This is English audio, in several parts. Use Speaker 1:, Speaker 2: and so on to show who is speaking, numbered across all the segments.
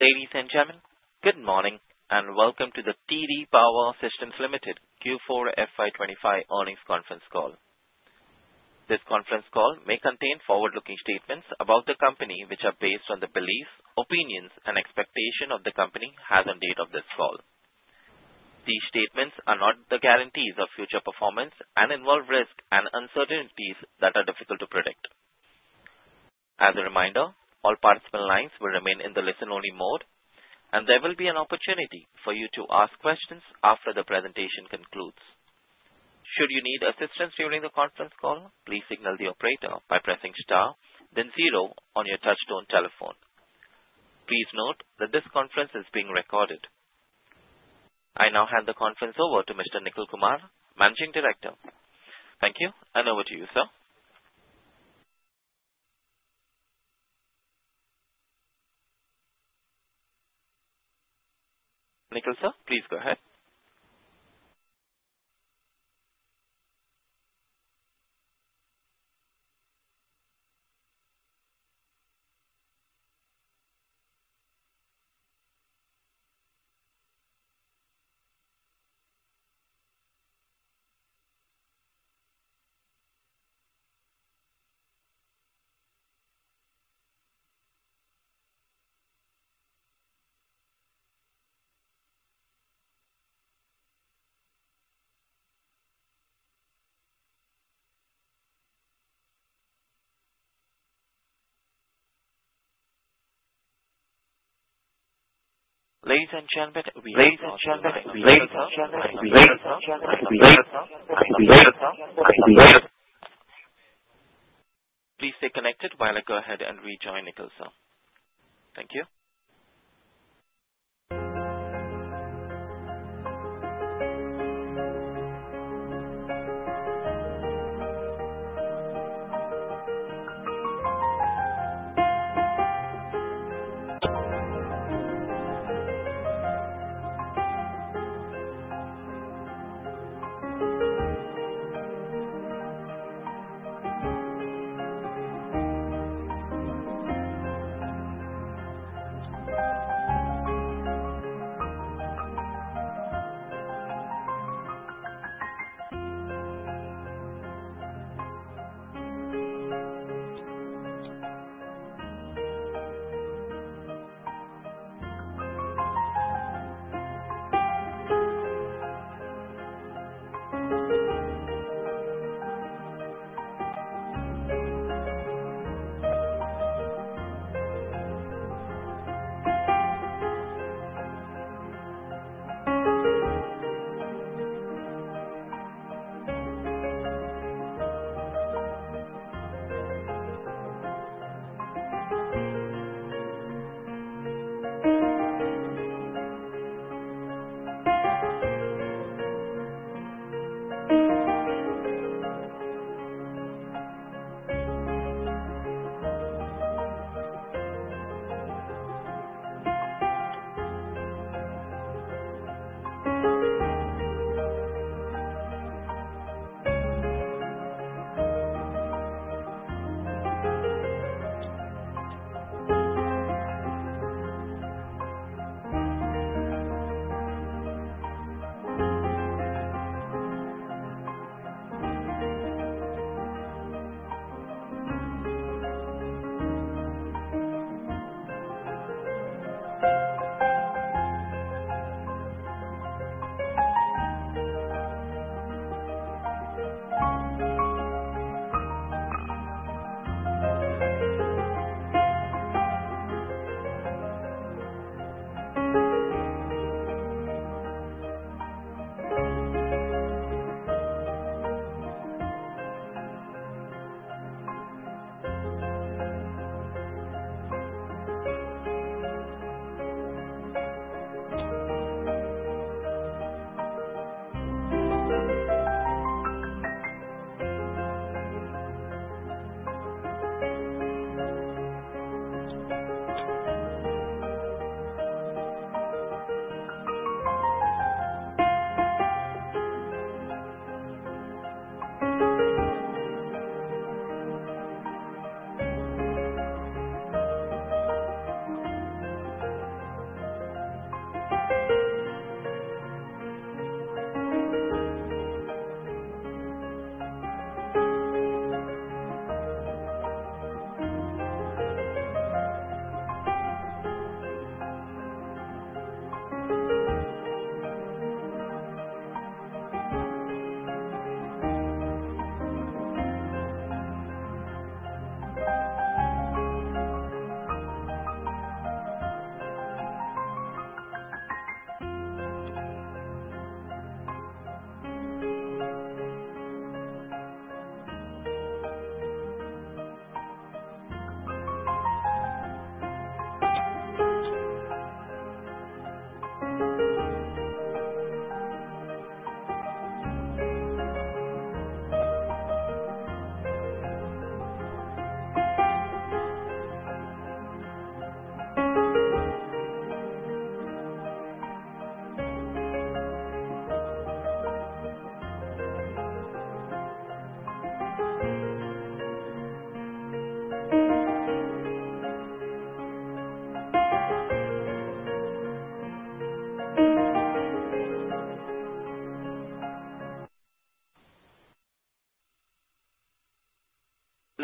Speaker 1: Ladies and gentlemen, good morning, and welcome to the TD Power Systems Limited Q4 FY 2025 earnings conference call. This conference call may contain forward-looking statements about the company, which are based on the beliefs, opinions, and expectation of the company as on date of this call. These statements are not the guarantees of future performance and involve risks and uncertainties that are difficult to predict. As a reminder, all participant lines will remain in the listen-only mode, and there will be an opportunity for you to ask questions after the presentation concludes. Should you need assistance during the conference call, please signal the operator by pressing star then zero on your touchtone telephone. Please note that this conference is being recorded. I now hand the conference over to Mr. Nikhil Kumar, Managing Director. Thank you, and over to you, sir. Nikhil sir, please go ahead. Ladies and gentlemen, please stay connected while I go ahead and rejoin Nikhil sir. Thank you.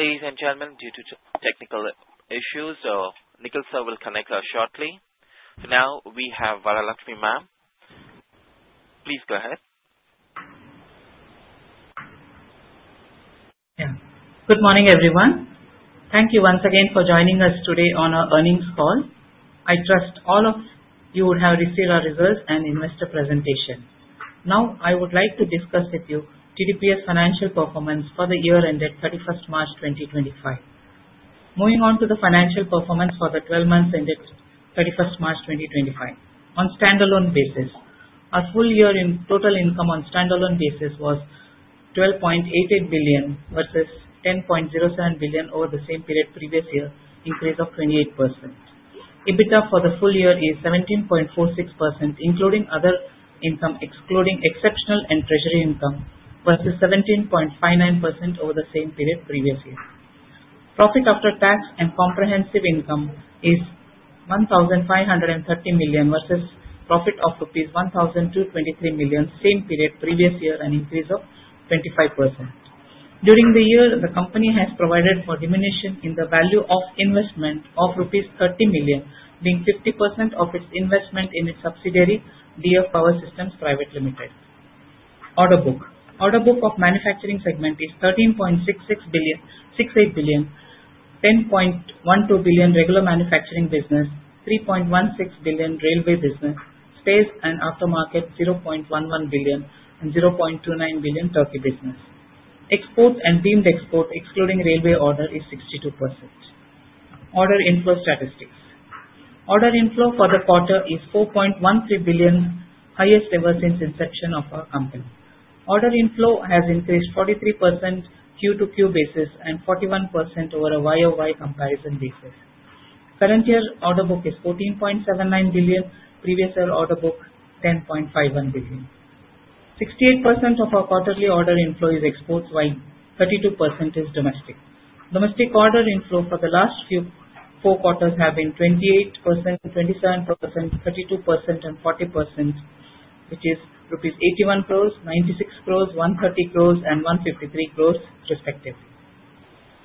Speaker 2: Ladies and gentlemen, due to technical issues, Nikhil sir will connect shortly. For now, we have Varalakshmi ma'am. Please go ahead.
Speaker 3: Good morning, everyone. Thank you once again for joining us today on our earnings call. I trust all of you would have received our results and investor presentation. I would like to discuss with you TDPS financial performance for the year ended 31st March 2025. Moving on to the financial performance for the 12 months ended 31st March 2025. On standalone basis, our full year in total income on standalone basis was 12.88 billion versus 10.07 billion over the same period previous year, increase of 28%. EBITDA for the full year is 17.46%, including other income, excluding exceptional and treasury income, versus 17.59% over the same period previous year. Profit after tax and comprehensive income is 1,530 million versus profit of rupees 1,223 million same period previous year, an increase of 25%. During the year, the company has provided for diminution in the value of investment of rupees 30 million, being 50% of its investment in its subsidiary, DF Power Systems Private Limited. Order book. Order book of manufacturing segment is 13.68 billion, 10.12 billion regular manufacturing business, 3.16 billion railway business, space and aftermarket 0.11 billion and 0.29 billion turnkey business. Exports and deemed export excluding railway order is 62%. Order inflow statistics. Order inflow for the quarter is 4.13 billion, highest ever since inception of our company. Order inflow has increased 43% Q-to-Q basis and 41% over a Y-o-Y comparison basis. Current year order book is 14.79 billion, previous year order book 10.51 billion. 68% of our quarterly order inflow is exports, while 32% is domestic. Domestic order inflow for the last four quarters have been 28%, 27%, 32% and 40%, which is rupees 81 crores, 96 crores, 130 crores, and 153 crores, respectively.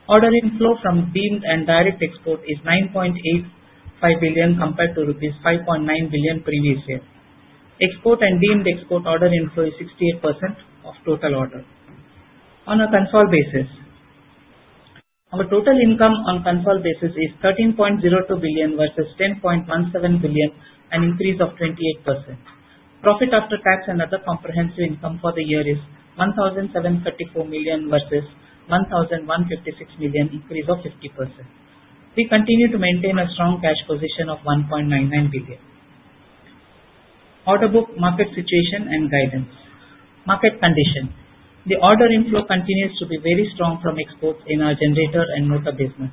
Speaker 3: Order inflow from deemed and direct export is 9.85 billion compared to rupees 5.9 billion previous year. Export and deemed export order inflow is 68% of total order. On a consolidated basis. Our total income on consolidated basis is 13.02 billion versus 10.17 billion, an increase of 208%. Profit after tax and other comprehensive income for the year is 1,734 million versus 1,156 million, increase of 50%. We continue to maintain a strong cash position of 1.99 billion. Order book, market situation, and guidance. Market condition. The order inflow continues to be very strong from exports in our generator and motor business.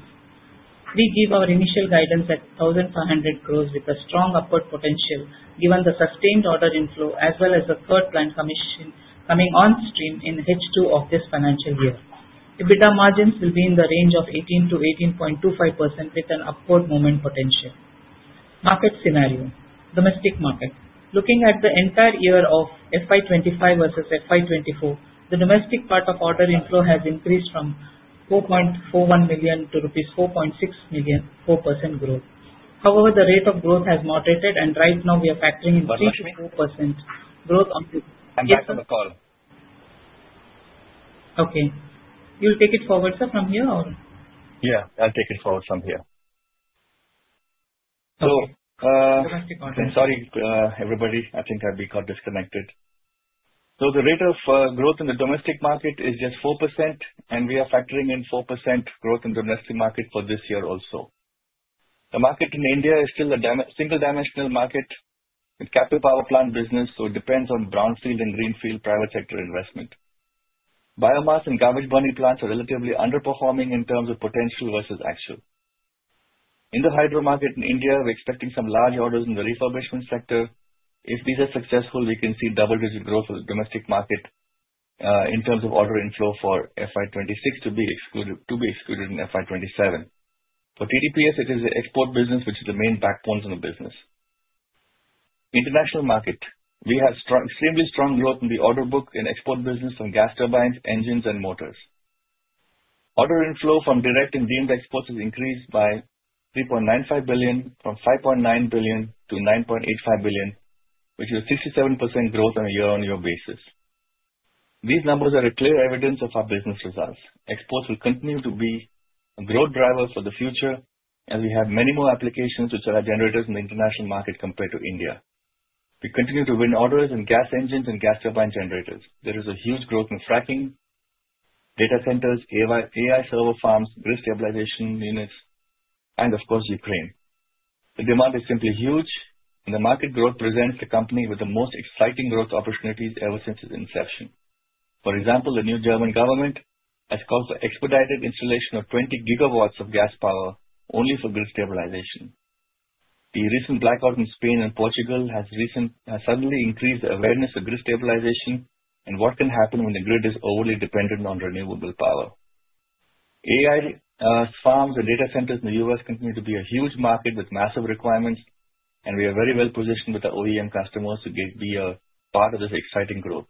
Speaker 3: We give our initial guidance at 1,400 crores with a strong upward potential, given the sustained order inflow as well as the third plant commission coming on stream in H2 of this financial year. EBITDA margins will be in the range of 18%-18.25% with an upward movement potential. Market scenario. Domestic market. Looking at the entire year of FY 2025 versus FY 2024, the domestic part of order inflow has increased from 4.41 million to rupees 4.6 million, 4% growth. However, the rate of growth has moderated and right now we are factoring in
Speaker 2: Varalakshmi
Speaker 3: 4% growth on
Speaker 2: I'm back on the call.
Speaker 3: Okay. You'll take it forward, sir, from here or?
Speaker 2: Yeah, I'll take it forward from here.
Speaker 3: Okay.
Speaker 2: I'm sorry, everybody. I think I got disconnected. The rate of growth in the domestic market is just 4%, and we are factoring in 4% growth in domestic market for this year also. The market in India is still a single-dimensional market with capital power plant business, so it depends on brownfield and greenfield private sector investment. Biomass and garbage burning plants are relatively underperforming in terms of potential versus actual. In the hydro market in India, we're expecting some large orders in the refurbishment sector. If these are successful, we can see double-digit growth for the domestic market, in terms of order inflow for FY 2026 to be excluded in FY 2027. For TDPS, it is the export business which is the main backbone of the business. International market. We have extremely strong growth in the order book and export business from gas turbines, engines, and motors. Order inflow from direct and deemed exports has increased by 3.95 billion from 5.9 billion to 9.85 billion, which is 67% growth on a year-on-year basis. These numbers are a clear evidence of our business results. Exports will continue to be a growth driver for the future as we have many more applications which are our generators in the international market compared to India. We continue to win orders in gas engines and gas turbine generators. There is a huge growth in fracking, data centers, AI server farms, grid stabilization units, and of course Ukraine. The demand is simply huge and the market growth presents the company with the most exciting growth opportunities ever since its inception. For example, the new German government has called for expedited installation of 20 gigawatts of gas power only for grid stabilization. The recent blackout in Spain and Portugal has suddenly increased the awareness of grid stabilization and what can happen when the grid is overly dependent on renewable power. AI farms and data centers in the U.S. continue to be a huge market with massive requirements, and we are very well positioned with our OEM customers to be a part of this exciting growth.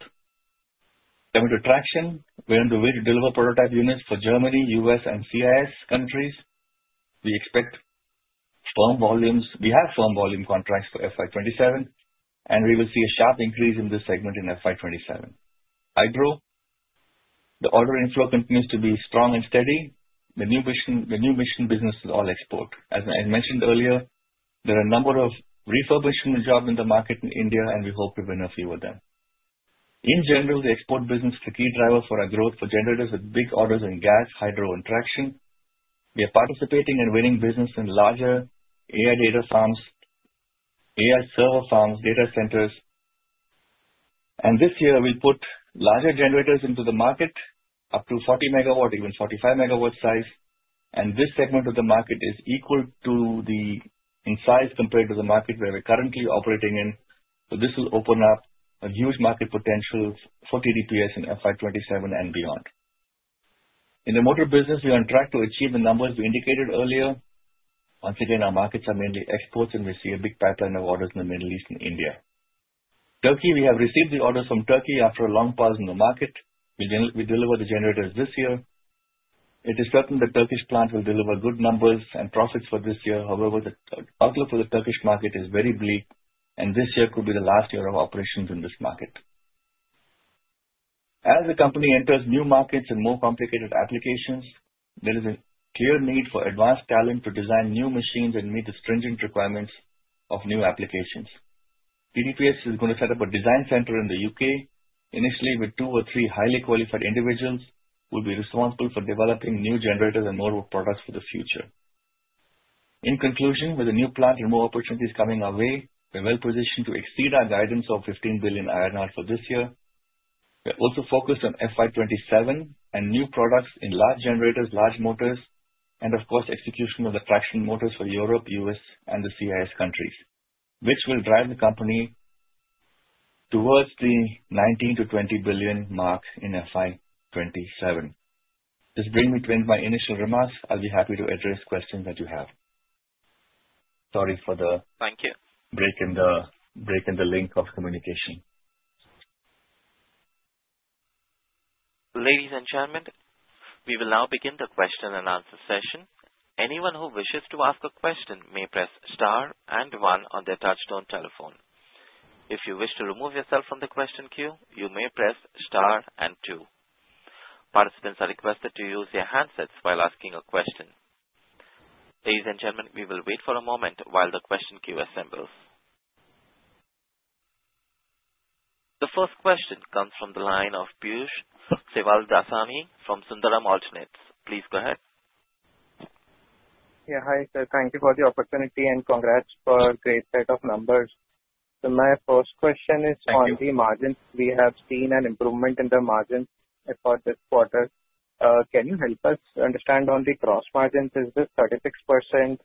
Speaker 2: Coming to traction, we are on the way to deliver prototype units for Germany, U.S., and CIS countries. We have firm volume contracts for FY 2027, and we will see a sharp increase in this segment in FY 2027. Hydro, the order inflow continues to be strong and steady. The new mission business is all export. As I mentioned earlier, there are a number of refurbishment jobs in the market in India, and we hope to win a few of them. In general, the export business is a key driver for our growth for generators with big orders in gas, hydro, and traction. We are participating and winning business in larger AI data farms, AI server farms, data centers. This year we'll put larger generators into the market, up to 40 megawatt, even 45 megawatt size. This segment of the market is equal to the in size compared to the market where we're currently operating in. This will open up a huge market potential for TDPS in FY 2027 and beyond. In the motor business, we are on track to achieve the numbers we indicated earlier. Once again, our markets are mainly exports, and we see a big pipeline of orders in the Middle East and India. Turkey, we have received the orders from Turkey after a long pause in the market. We deliver the generators this year. It is certain the Turkish plant will deliver good numbers and profits for this year. However, the outlook for the Turkish market is very bleak, and this year could be the last year of operations in this market. As the company enters new markets and more complicated applications, there is a clear need for advanced talent to design new machines and meet the stringent requirements of new applications. TDPS is going to set up a design center in the U.K. Initially, with two or three highly qualified individuals who will be responsible for developing new generators and motor products for the future. In conclusion, with the new plant and more opportunities coming our way, we are well-positioned to exceed our guidance of 15 billion INR for this year. We are also focused on FY 2027 and new products in large generators, large motors, and of course, execution of the traction motors for Europe, U.S., and the CIS countries, which will drive the company towards the 19 billion-20 billion mark in FY 2027. This brings me to end my initial remarks. I'll be happy to address questions that you have. Sorry for the-
Speaker 1: Thank you.
Speaker 2: -break in the link of communication.
Speaker 1: Ladies and gentlemen, we will now begin the question and answer session. Anyone who wishes to ask a question may press star 1 on their touch-tone telephone. If you wish to remove yourself from the question queue, you may press star 2. Participants are requested to use their handsets while asking a question. Ladies and gentlemen, we will wait for a moment while the question queue assembles. The first question comes from the line of Piyush Sewadasani from Sundaram Alternates. Please go ahead.
Speaker 4: Hi, sir. Thank you for the opportunity, and congrats for a great set of numbers. My first question is-
Speaker 2: Thank you.
Speaker 4: -on the margins. We have seen an improvement in the margins for this quarter. Can you help us understand on the cross margins, is this 36%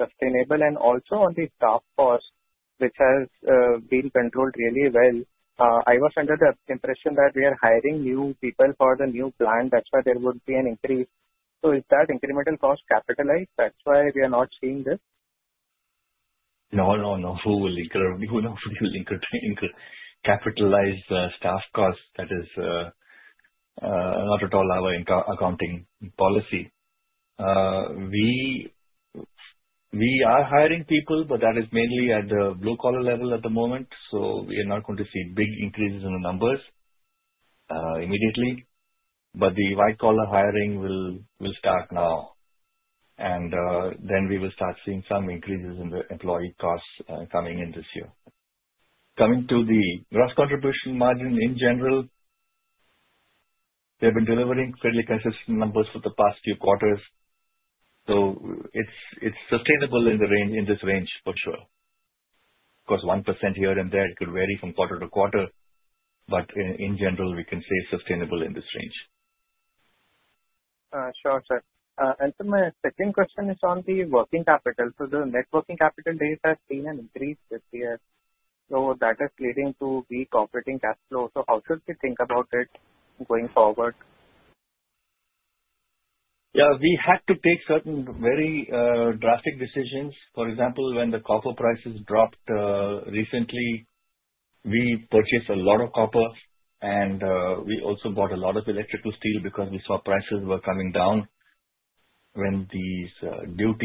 Speaker 4: sustainable? Also on the staff cost, which has been controlled really well. I was under the impression that we are hiring new people for the new plant, that's why there would be an increase. Is that incremental cost capitalized? That's why we are not seeing this.
Speaker 2: No, who will capitalize staff cost? That is not at all our accounting policy. We are hiring people, that is mainly at the blue-collar level at the moment, we are not going to see big increases in the numbers immediately. The white-collar hiring will start now. Then we will start seeing some increases in the employee costs coming in this year. Coming to the gross contribution margin, in general, they've been delivering fairly consistent numbers for the past few quarters. It's sustainable in this range for sure. Of course, 1% here and there, it could vary from quarter to quarter, in general, we can say sustainable in this range.
Speaker 4: Sure, sir. My second question is on the working capital. The net working capital days has seen an increase this year. That is leading to weak operating cash flow. How should we think about it going forward?
Speaker 2: Yeah. We had to take certain very drastic decisions. For example, when the copper prices dropped recently, we purchased a lot of copper, and we also bought a lot of electrical steel because we saw prices were coming down. When the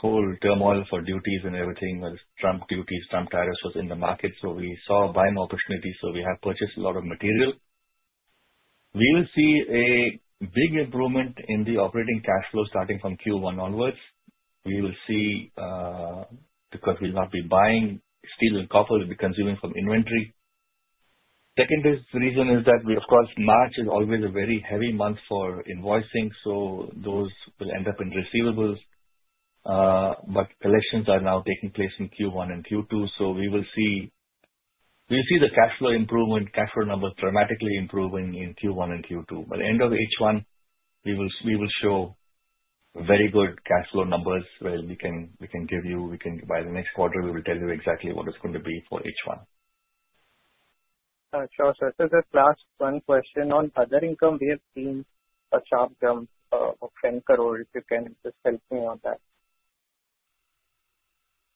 Speaker 2: whole turmoil for duties and everything was Trump duties, Trump tariffs was in the market. We saw buying opportunities, so we have purchased a lot of material. We will see a big improvement in the operating cash flow starting from Q1 onwards. We will see, because we'll not be buying steel and copper, we'll be consuming from inventory. Second reason is that, of course, March is always a very heavy month for invoicing, so those will end up in receivables. Collections are now taking place in Q1 and Q2, we'll see the cash flow improvement, cash flow numbers dramatically improving in Q1 and Q2. By the end of H1, we will show very good cash flow numbers where by the next quarter, we will tell you exactly what it's going to be for H1.
Speaker 4: Sure. Sir, just last one question on other income. We have seen a sharp jump of 10 crore, if you can just help me on that.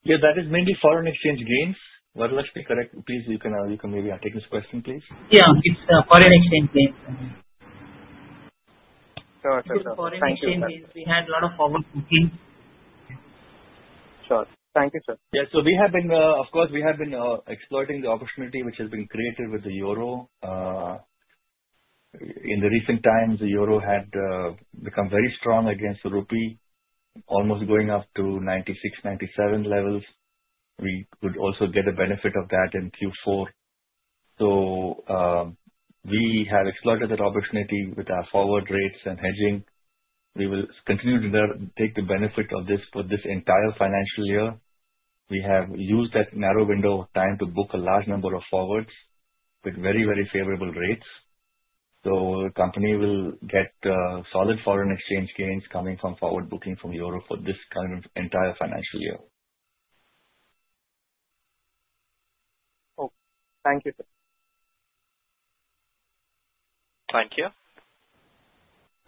Speaker 2: Yeah, that is mainly foreign exchange gains. Varalakshmi, correct me, please. You can maybe take this question, please.
Speaker 3: Yeah, it's foreign exchange gains.
Speaker 4: Sure. Thank you, sir.
Speaker 3: With foreign exchange gains, we had a lot of forward booking.
Speaker 4: Sure. Thank you, sir.
Speaker 2: Of course, we have been exploiting the opportunity which has been created with the EUR. In the recent times, the EUR had become very strong against the rupee, almost going up to 96, 97 levels. We could also get a benefit of that in Q4. We have exploited that opportunity with our forward rates and hedging. We will continue to take the benefit of this for this entire financial year. We have used that narrow window of time to book a large number of forwards with very favorable rates. The company will get solid foreign exchange gains coming from forward booking from the EUR for this current entire financial year.
Speaker 4: Okay. Thank you, sir.
Speaker 1: Thank you.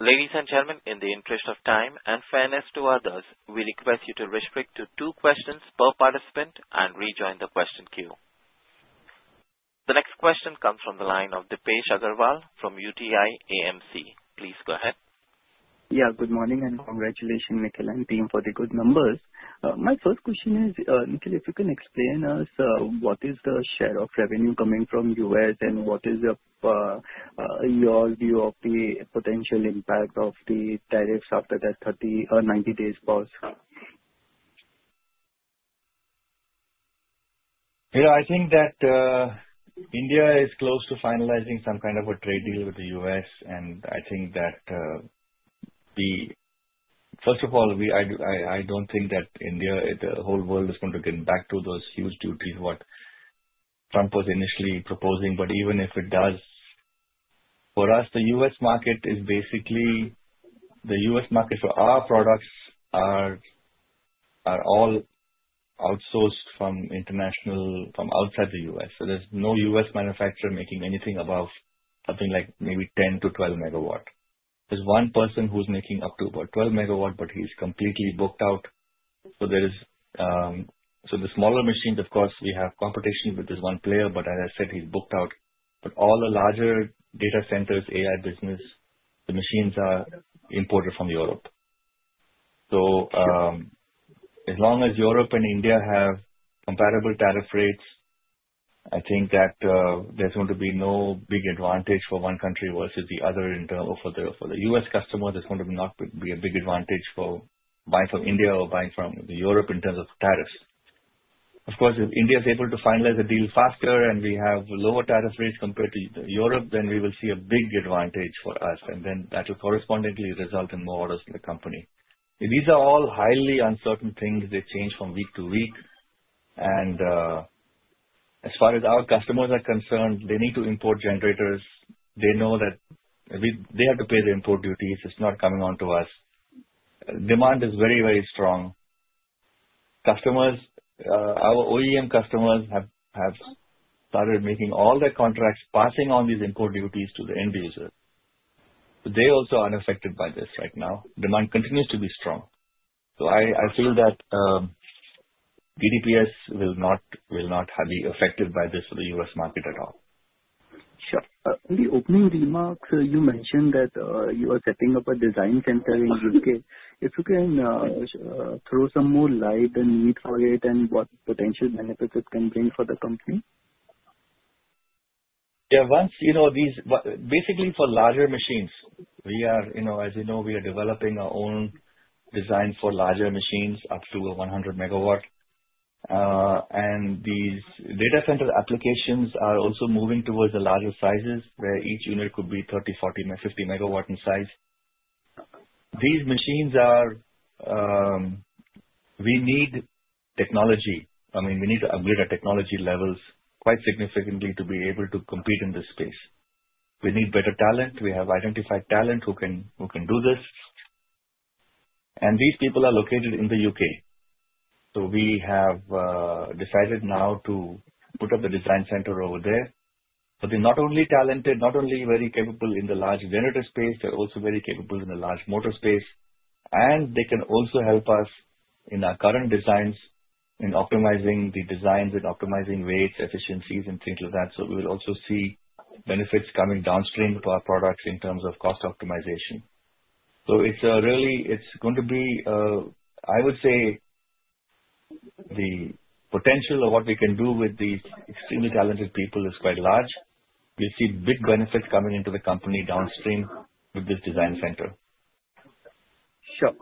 Speaker 1: Ladies and gentlemen, in the interest of time and fairness to others, we request you to restrict to two questions per participant and rejoin the question queue. The next question comes from the line of Deepesh Agarwal from UTI AMC. Please go ahead.
Speaker 5: Good morning and congratulations, Nikhil and team, for the good numbers. My first question is, Nikhil, if you can explain us what is the share of revenue coming from U.S., and what is your view of the potential impact of the tariffs after that 90 days pause?
Speaker 2: I think that India is close to finalizing some kind of a trade deal with the U.S. I think that, first of all, I don't think that the whole world is going to get back to those huge duties, what Trump was initially proposing. Even if it does, for us, the U.S. market for our products are all outsourced from outside the U.S. There's no U.S. manufacturer making anything above something like maybe 10 to 12 megawatt. There's one person who's making up to about 12 megawatt, he's completely booked out. All the larger data centers, AI business, the machines are imported from Europe.
Speaker 5: Sure
Speaker 2: As long as Europe and India have comparable tariff rates, I think that there's going to be no big advantage for one country versus the other. For the U.S. customer, there's going to not be a big advantage for buying from India or buying from Europe in terms of tariffs. Of course, if India is able to finalize a deal faster and we have lower tariff rates compared to Europe, we will see a big advantage for us, that will correspondingly result in more orders for the company. These are all highly uncertain things. They change from week to week. As far as our customers are concerned, they need to import generators. They know that they have to pay the import duties. It's not coming onto us. Demand is very strong. Our OEM customers have started making all their contracts, passing on these import duties to the end user. They also aren't affected by this right now. Demand continues to be strong. I feel that TDPS will not be affected by this for the U.S. market at all.
Speaker 5: Sure. In the opening remarks, you mentioned that you are setting up a design center in UK. If you can throw some more light and need for it and what potential benefits it can bring for the company.
Speaker 2: Yeah. Basically, for larger machines. As you know, we are developing our own design for larger machines up to 100 MW. These data center applications are also moving towards the larger sizes, where each unit could be 30, 40, or 50 MW in size. We need technology. We need to upgrade our technology levels quite significantly to be able to compete in this space. We need better talent. We have identified talent who can do this, and these people are located in the UK. We have decided now to put up a design center over there. They're not only talented, not only very capable in the large generator space, they're also very capable in the large motor space. They can also help us in our current designs in optimizing the designs and optimizing weights, efficiencies, and things like that. We'll also see benefits coming downstream for our products in terms of cost optimization. It's going to be, I would say, the potential of what we can do with these extremely talented people is quite large. We'll see big benefits coming into the company downstream with this design center.
Speaker 5: Sure.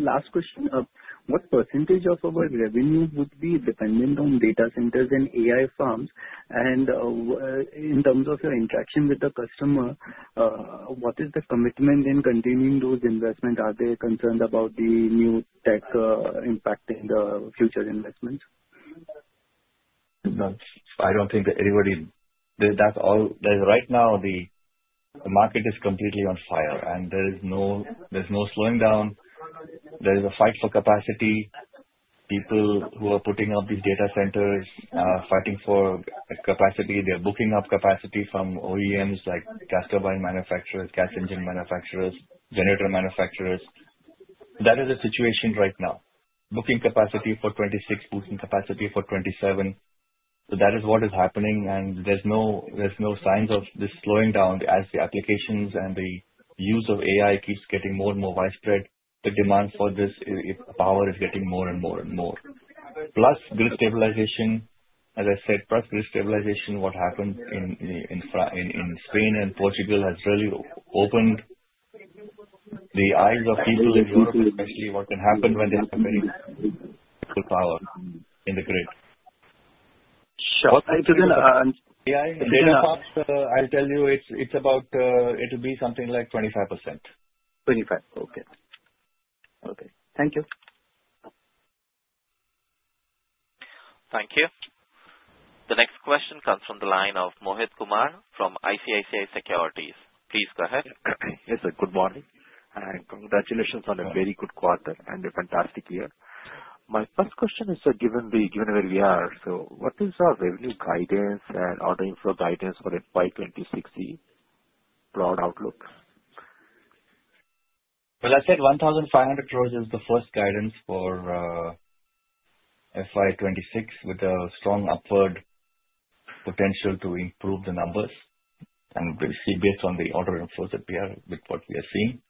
Speaker 5: Last question. What % of our revenues would be dependent on data centers and AI firms? In terms of your interaction with the customer, what is the commitment in continuing those investments? Are they concerned about the new tech impacting the future investments?
Speaker 2: No. I don't think that. Right now, the market is completely on fire, and there's no slowing down. There is a fight for capacity. People who are putting up these data centers are fighting for capacity. They're booking up capacity from OEMs, like gas turbine manufacturers, gas engine manufacturers, generator manufacturers. That is the situation right now. Booking capacity for 2026, booking capacity for 2027. That is what is happening, and there's no signs of this slowing down. As the applications and the use of AI keeps getting more and more widespread, the demand for this power is getting more and more and more. As I said, plus grid stabilization, what happened in Spain and Portugal has really opened the eyes of people in Europe, especially what can happen when there's power in the grid.
Speaker 6: Sure.
Speaker 2: I'll tell you, it will be something like 25%.
Speaker 6: 25. Okay. Thank you.
Speaker 1: Thank you. The next question comes from the line of Mohit Kumar from ICICI Securities. Please go ahead.
Speaker 7: Yes, sir. Good morning, and congratulations on a very good quarter and a fantastic year. My first question is, given where we are, what is our revenue guidance and ordering flow guidance for FY 2026 broad outlook?
Speaker 2: I said 1,500 crores is the first guidance for FY 2026 with a strong upward potential to improve the numbers. We'll see based on the order inflows that we have with what we are seeing.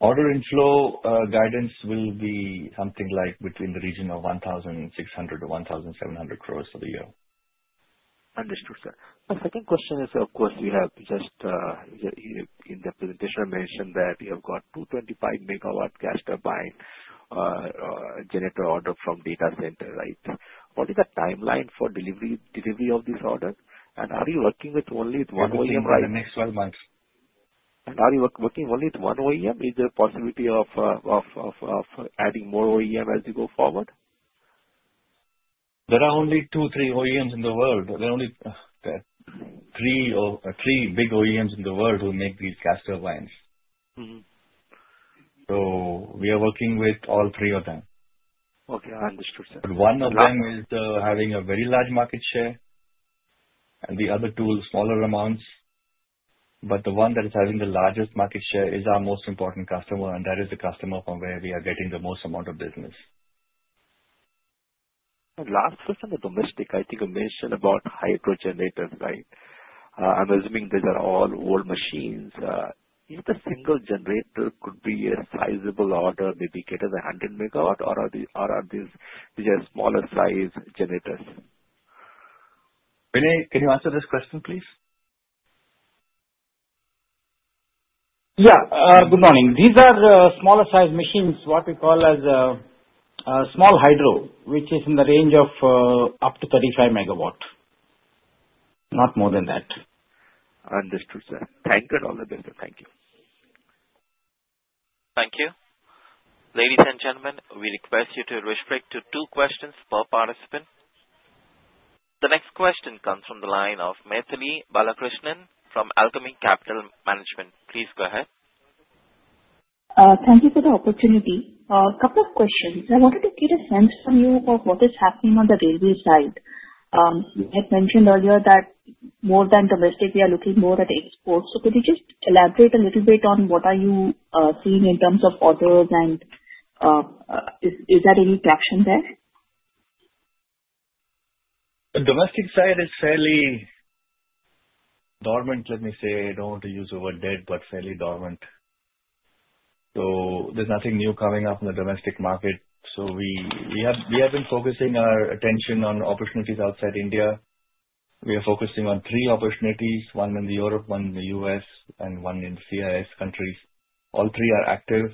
Speaker 2: Order inflow guidance will be something between the region of 1,600-1,700 crores for the year.
Speaker 7: Understood, sir. My second question is, of course, you have just in the presentation mentioned that you have got 225 megawatt gas turbine generator order from data center. What is the timeline for delivery of this order? Are you working with only one OEM?
Speaker 2: Delivery in the next 12 months.
Speaker 7: Are you working only with one OEM? Is there a possibility of adding more OEM as you go forward?
Speaker 2: There are only two, three OEMs in the world. There are only three big OEMs in the world who make these gas turbines. We are working with all three of them.
Speaker 7: Okay, I understood, sir.
Speaker 2: One of them is having a very large market share and the other two smaller amounts. The one that is having the largest market share is our most important customer, that is the customer from where we are getting the most amount of business.
Speaker 7: My last question on domestic, I think you mentioned about hydro generators. I'm assuming these are all old machines. If the single generator could be a sizable order, maybe get us a 100 MW, or are these just smaller size generators?
Speaker 2: Vinay, can you answer this question, please?
Speaker 8: Yeah. Good morning. These are smaller size machines, what we call as small hydro, which is in the range of up to 35 MW. Not more than that.
Speaker 7: Understood, sir. Thank you. All the best. Thank you.
Speaker 1: Thank you. Ladies and gentlemen, we request you to restrict to two questions per participant. The next question comes from the line of Mythili Balakrishnan from Alchemy Capital Management. Please go ahead.
Speaker 9: Thank you for the opportunity. A couple of questions. I wanted to get a sense from you of what is happening on the railway side. You had mentioned earlier that more than domestic, we are looking more at exports. Could you just elaborate a little bit on what are you seeing in terms of orders, and is there any traction there?
Speaker 2: The domestic side is fairly dormant, let me say. I don't want to use the word dead, but fairly dormant. There's nothing new coming up in the domestic market. We have been focusing our attention on opportunities outside India. We are focusing on three opportunities, one in Europe, one in the U.S., and one in CIS countries. All three are active.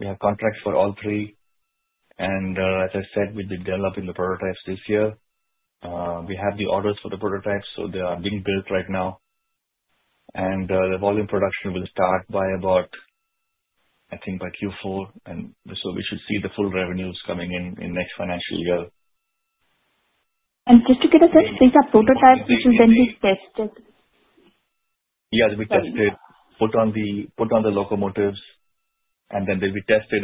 Speaker 2: We have contracts for all three. As I said, we'll be developing the prototypes this year. We have the orders for the prototypes, so they are being built right now. The volume production will start by about, I think by Q4. We should see the full revenues coming in next financial year.
Speaker 9: Just to get a sense, these are prototypes which will then be tested?
Speaker 2: Yes, we test it, put on the locomotives, and then they'll be tested.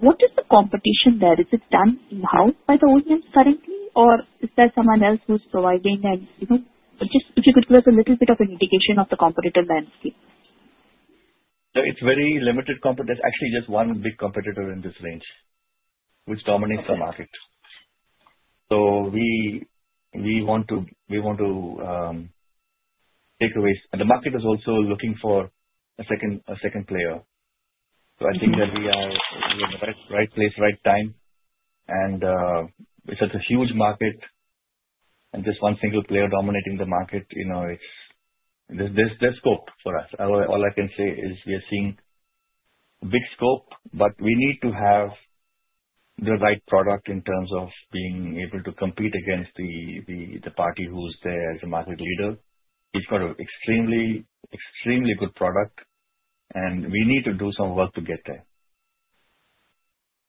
Speaker 9: What is the competition there? Is it done in-house by the OEMs currently, or is there someone else who's providing? If you could give us a little bit of an indication of the competitive landscape.
Speaker 2: No. It's very limited. There's actually just one big competitor in this range which dominates the market. We want to take away. The market is also looking for a second player. I think that we are in the right place, right time. It's such a huge market and just one single player dominating the market. There's scope for us. All I can say is we are seeing big scope, but we need to have the right product in terms of being able to compete against the party who's there as a market leader, who's got an extremely good product, and we need to do some work to get there.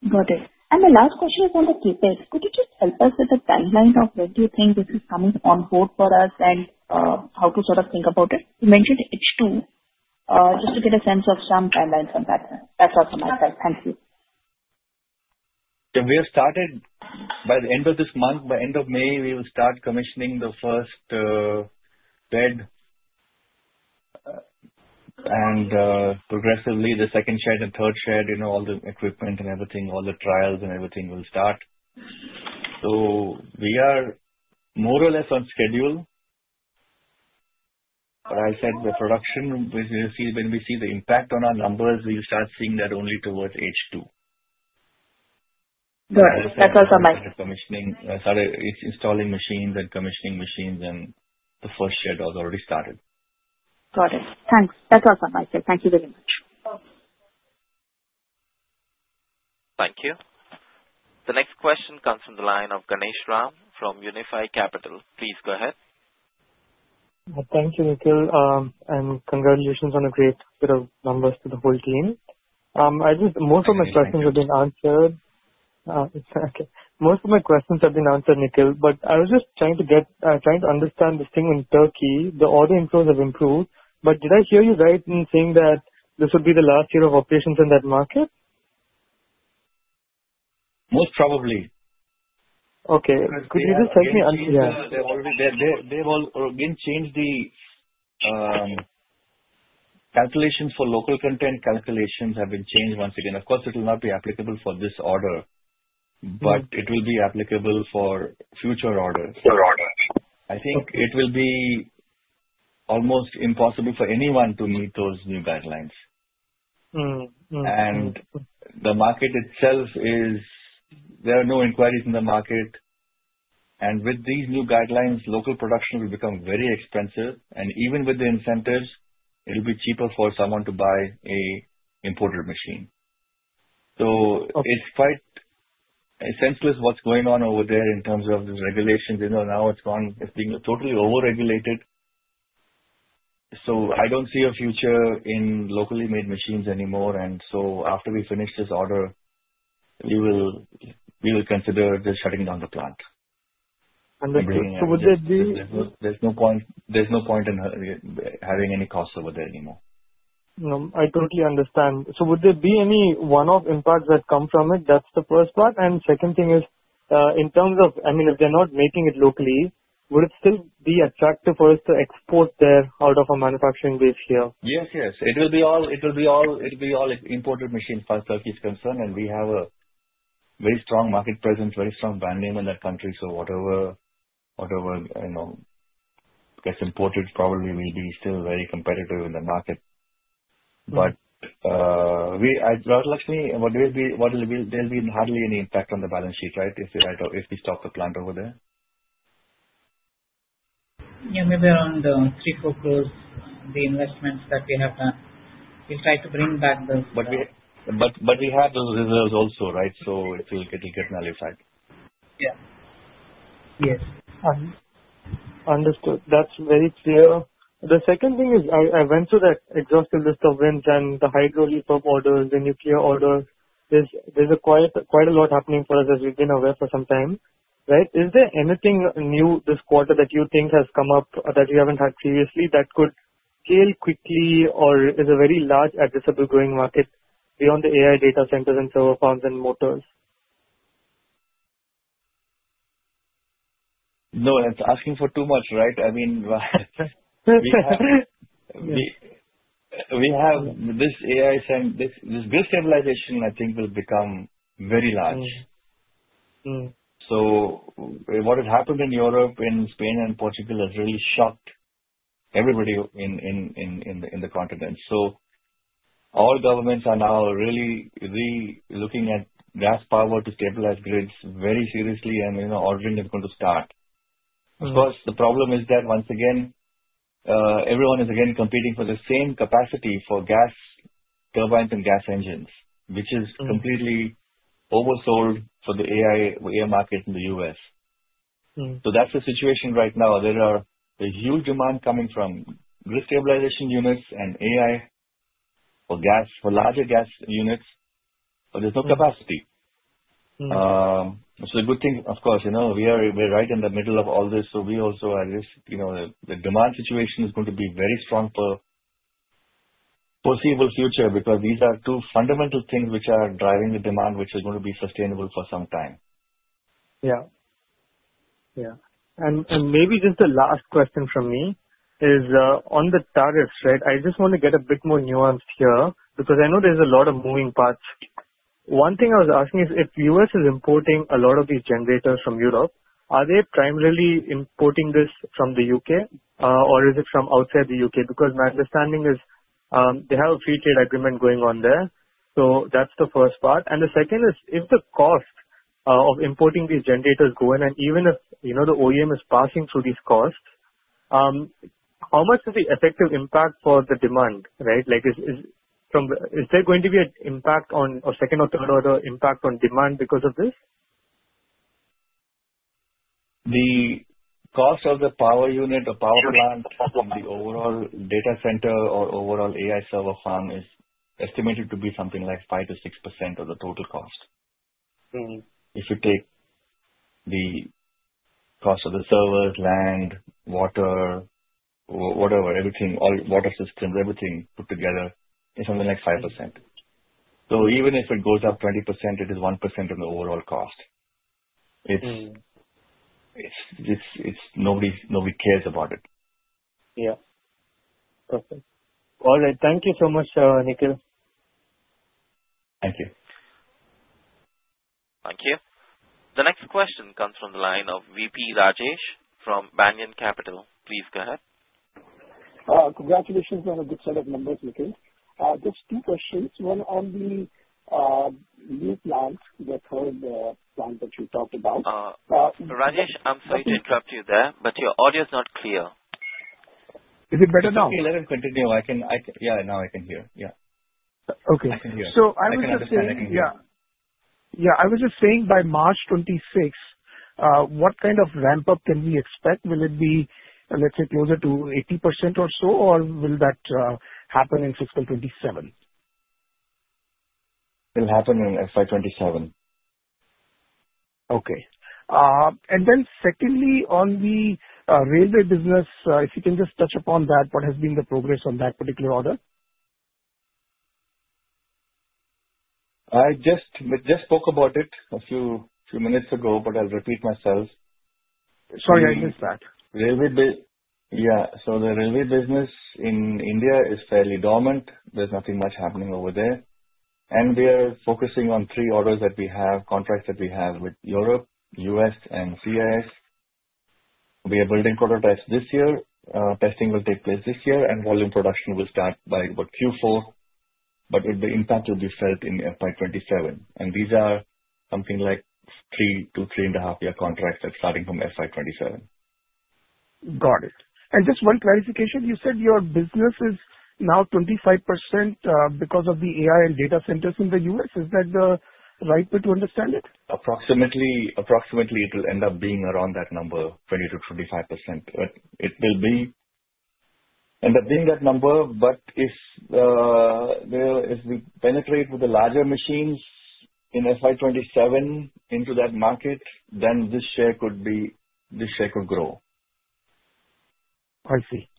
Speaker 9: Got it. The last question is on the CapEx. Could you just help us with the timeline of when do you think this is coming on board for us and how to sort of think about it? You mentioned H2. Just to get a sense of some timeline from that. That's all from my side. Thank you.
Speaker 2: By the end of this month, by end of May, we will start commissioning the first bed. Progressively, the second shed and third shed, all the equipment and everything, all the trials and everything will start. We are more or less on schedule. I said the production, when we see the impact on our numbers, we will start seeing that only towards H2.
Speaker 9: Got it. That's all from my side.
Speaker 2: It's installing machines and commissioning machines. The first shed has already started.
Speaker 9: Got it. Thanks. That's all from my side. Thank you very much.
Speaker 1: Thank you. The next question comes from the line of Ganesh Rajagopalan from Unifi Capital. Please go ahead.
Speaker 10: Thank you, Nikhil. Congratulations on a great set of numbers to the whole team. Most of my questions have been answered. Okay. Most of my questions have been answered, Nikhil, I was just trying to understand this thing in Turkey. The order inflows have improved, did I hear you right in saying that this would be the last year of operations in that market?
Speaker 2: Most probably.
Speaker 10: Okay. Could you just help me understand?
Speaker 2: They've again changed the calculations for local content. Calculations have been changed once again. Of course, it will not be applicable for this order, but it will be applicable for future orders. I think it will be almost impossible for anyone to meet those new guidelines. The market itself is. There are no inquiries in the market. With these new guidelines, local production will become very expensive. Even with the incentives, it'll be cheaper for someone to buy an imported machine. It's quite senseless what's going on over there in terms of the regulations. Now it's being totally over-regulated. I don't see a future in locally made machines anymore. After we finish this order, we will consider just shutting down the plant.
Speaker 10: Would there be?
Speaker 2: There's no point in having any costs over there anymore.
Speaker 10: No, I totally understand. Would there be any one-off impacts that come from it? That's the first part. Second thing is, in terms of if they're not making it locally, would it still be attractive for us to export there out of our manufacturing base here?
Speaker 2: Yes. It'll be all imported machines as far as Turkey's concerned. We have a very strong market presence, very strong brand name in that country. Whatever gets imported probably will be still very competitive in the market. Lakshmi, there'll be hardly any impact on the balance sheet, right? If we stop the plant over there.
Speaker 3: Yeah, maybe around 3, 4 crores.
Speaker 2: We have those reserves also, right? It'll get nullified.
Speaker 3: Yeah.
Speaker 10: Yes. Understood. That's very clear. The second thing is, I went through that exhaustive list and the hydro repow orders, the nuclear orders. There's quite a lot happening for us, as we've been aware for some time. Right? Is there anything new this quarter that you think has come up that you haven't had previously that could scale quickly or is a very large addressable growing market beyond the AI data centers and server farms and motors?
Speaker 2: It's asking for too much, right? This grid stabilization, I think, will become very large. What has happened in Europe, in Spain and Portugal, has really shocked everybody in the continent. All governments are now really looking at gas power to stabilize grids very seriously and are going to start. Of course, the problem is that once again, everyone is again competing for the same capacity for gas turbines and gas engines, which is completely oversold for the AI market in the U.S. That's the situation right now. There is a huge demand coming from grid stabilization units and AI for larger gas units, but there's no capacity. The good thing, of course, we're right in the middle of all this, so we also are at risk. The demand situation is going to be very strong for foreseeable future because these are two fundamental things which are driving the demand, which is going to be sustainable for some time.
Speaker 10: Yeah. Maybe just the last question from me is, on the targets, I just want to get a bit more nuanced here because I know there's a lot of moving parts. One thing I was asking is if U.S. is importing a lot of these generators from Europe, are they primarily importing this from the U.K., or is it from outside the U.K.? Because my understanding is they have a free trade agreement going on there. That's the first part. The second is, if the cost of importing these generators go in and even if the OEM is passing through these costs, how much is the effective impact for the demand? Is there going to be a second or third order impact on demand because of this?
Speaker 2: The cost of the power unit or power plant from the overall data center or overall AI server farm is estimated to be something like 5%-6% of the total cost. If you take the cost of the servers, land, water, whatever, everything, all water systems, everything put together, it is something like 5%. So even if it goes up 20%, it is 1% of the overall cost. Nobody cares about it.
Speaker 10: Yeah. Perfect. All right. Thank you so much, Nikhil.
Speaker 2: Thank you.
Speaker 1: Thank you. The next question comes from the line of VP Rajesh from Banyan Capital. Please go ahead.
Speaker 11: Congratulations on a good set of numbers, Nikhil. Just two questions. One on the new plants, the third plant that you talked about.
Speaker 1: Rajesh, I'm sorry to interrupt you there, but your audio's not clear.
Speaker 11: Is it better now?
Speaker 2: It's okay. Let him continue. Yeah, now I can hear. Yeah.
Speaker 11: Okay.
Speaker 2: I can hear. I can understand everything.
Speaker 11: I was just saying, by March 2026, what kind of ramp-up can we expect? Will it be, let's say, closer to 80% or so, or will that happen in FY 2027?
Speaker 2: It'll happen in FY 2027.
Speaker 11: Okay. Secondly on the railway business, if you can just touch upon that, what has been the progress on that particular order?
Speaker 2: I just spoke about it a few minutes ago, I'll repeat myself.
Speaker 11: Sorry, I missed that.
Speaker 2: Yeah. The railway business in India is fairly dormant. There's nothing much happening over there. We are focusing on three orders that we have, contracts that we have with Europe, U.S., and CIS. We are building prototypes this year. Testing will take place this year, and volume production will start by about Q4, the impact will be felt in FY 2027. These are something like three to three and a half year contracts that's starting from FY 2027.
Speaker 11: Got it. Just one clarification, you said your business is now 25% because of the AI and data centers in the U.S. Is that the right way to understand it?
Speaker 2: Approximately, it will end up being around that number, 20%-25%. It will end up being that number. If we penetrate with the larger machines in FY 2027 into that market, then this share could grow.
Speaker 11: I see.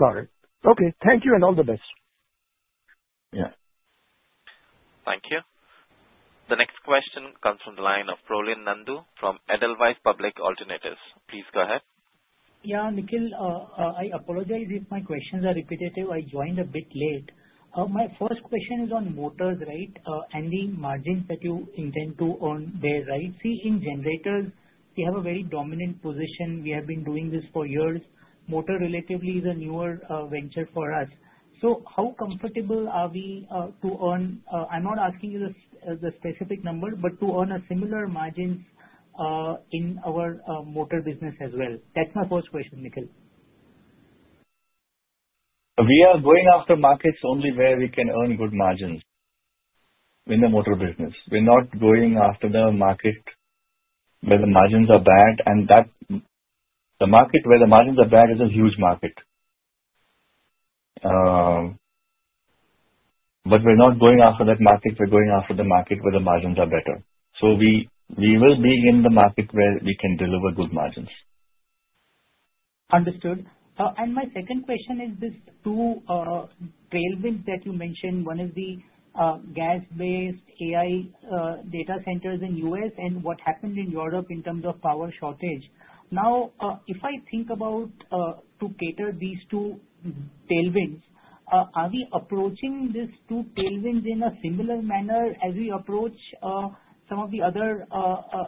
Speaker 11: Got it. Okay. Thank you and all the best.
Speaker 2: Yeah.
Speaker 1: Thank you. The next question comes from the line of Prolin Nandu from Edelweiss Public Alternatives. Please go ahead.
Speaker 12: Yeah, Nikhil, I apologize if my questions are repetitive. I joined a bit late. My first question is on motors and the margins that you intend to own there. See, in generators, we have a very dominant position. We have been doing this for years. Motor relatively is a newer venture for us. How comfortable are we to earn, I'm not asking you the specific number, but to earn a similar margin in our motor business as well? That's my first question, Nikhil.
Speaker 2: We are going after markets only where we can earn good margins in the motor business. We're not going after the market where the margins are bad, the market where the margins are bad is a huge market. We're not going after that market. We're going after the market where the margins are better. We will be in the market where we can deliver good margins.
Speaker 12: Understood. My second question is this two tailwinds that you mentioned, one is the gas-based AI data centers in U.S., and what happened in Europe in terms of power shortage. If I think about to cater these two tailwinds, are we approaching these two tailwinds in a similar manner as we approach some of the other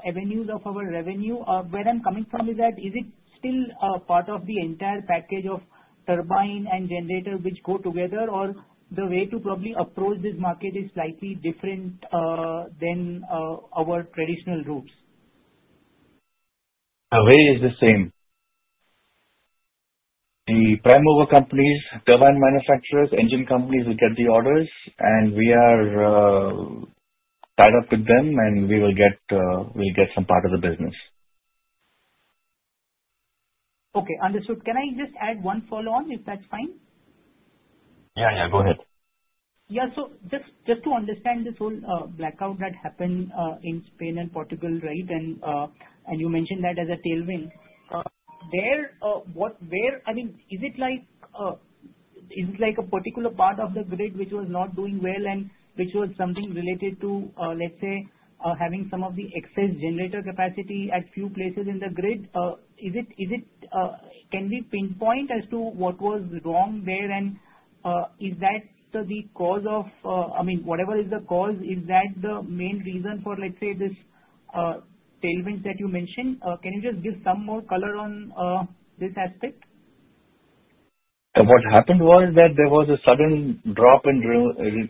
Speaker 12: avenues of our revenue? Where I'm coming from is that, is it still part of the entire package of turbine and generator which go together, or the way to probably approach this market is slightly different than our traditional routes?
Speaker 2: The way is the same. The prime mover companies, turbine manufacturers, engine companies will get the orders, we are tied up with them, and we will get some part of the business.
Speaker 12: Okay. Understood. Can I just add one follow-on, if that's fine?
Speaker 2: Yeah. Go ahead.
Speaker 12: Yeah. Just to understand this whole blackout that happened in Spain and Portugal, and you mentioned that as a tailwind. Is it like a particular part of the grid which was not doing well and which was something related to, let's say, having some of the excess generator capacity at few places in the grid? Can we pinpoint as to what was wrong there, and whatever is the cause, is that the main reason for, let's say, tailwinds that you mentioned. Can you just give some more color on this aspect?
Speaker 2: What happened was that there was a sudden drop in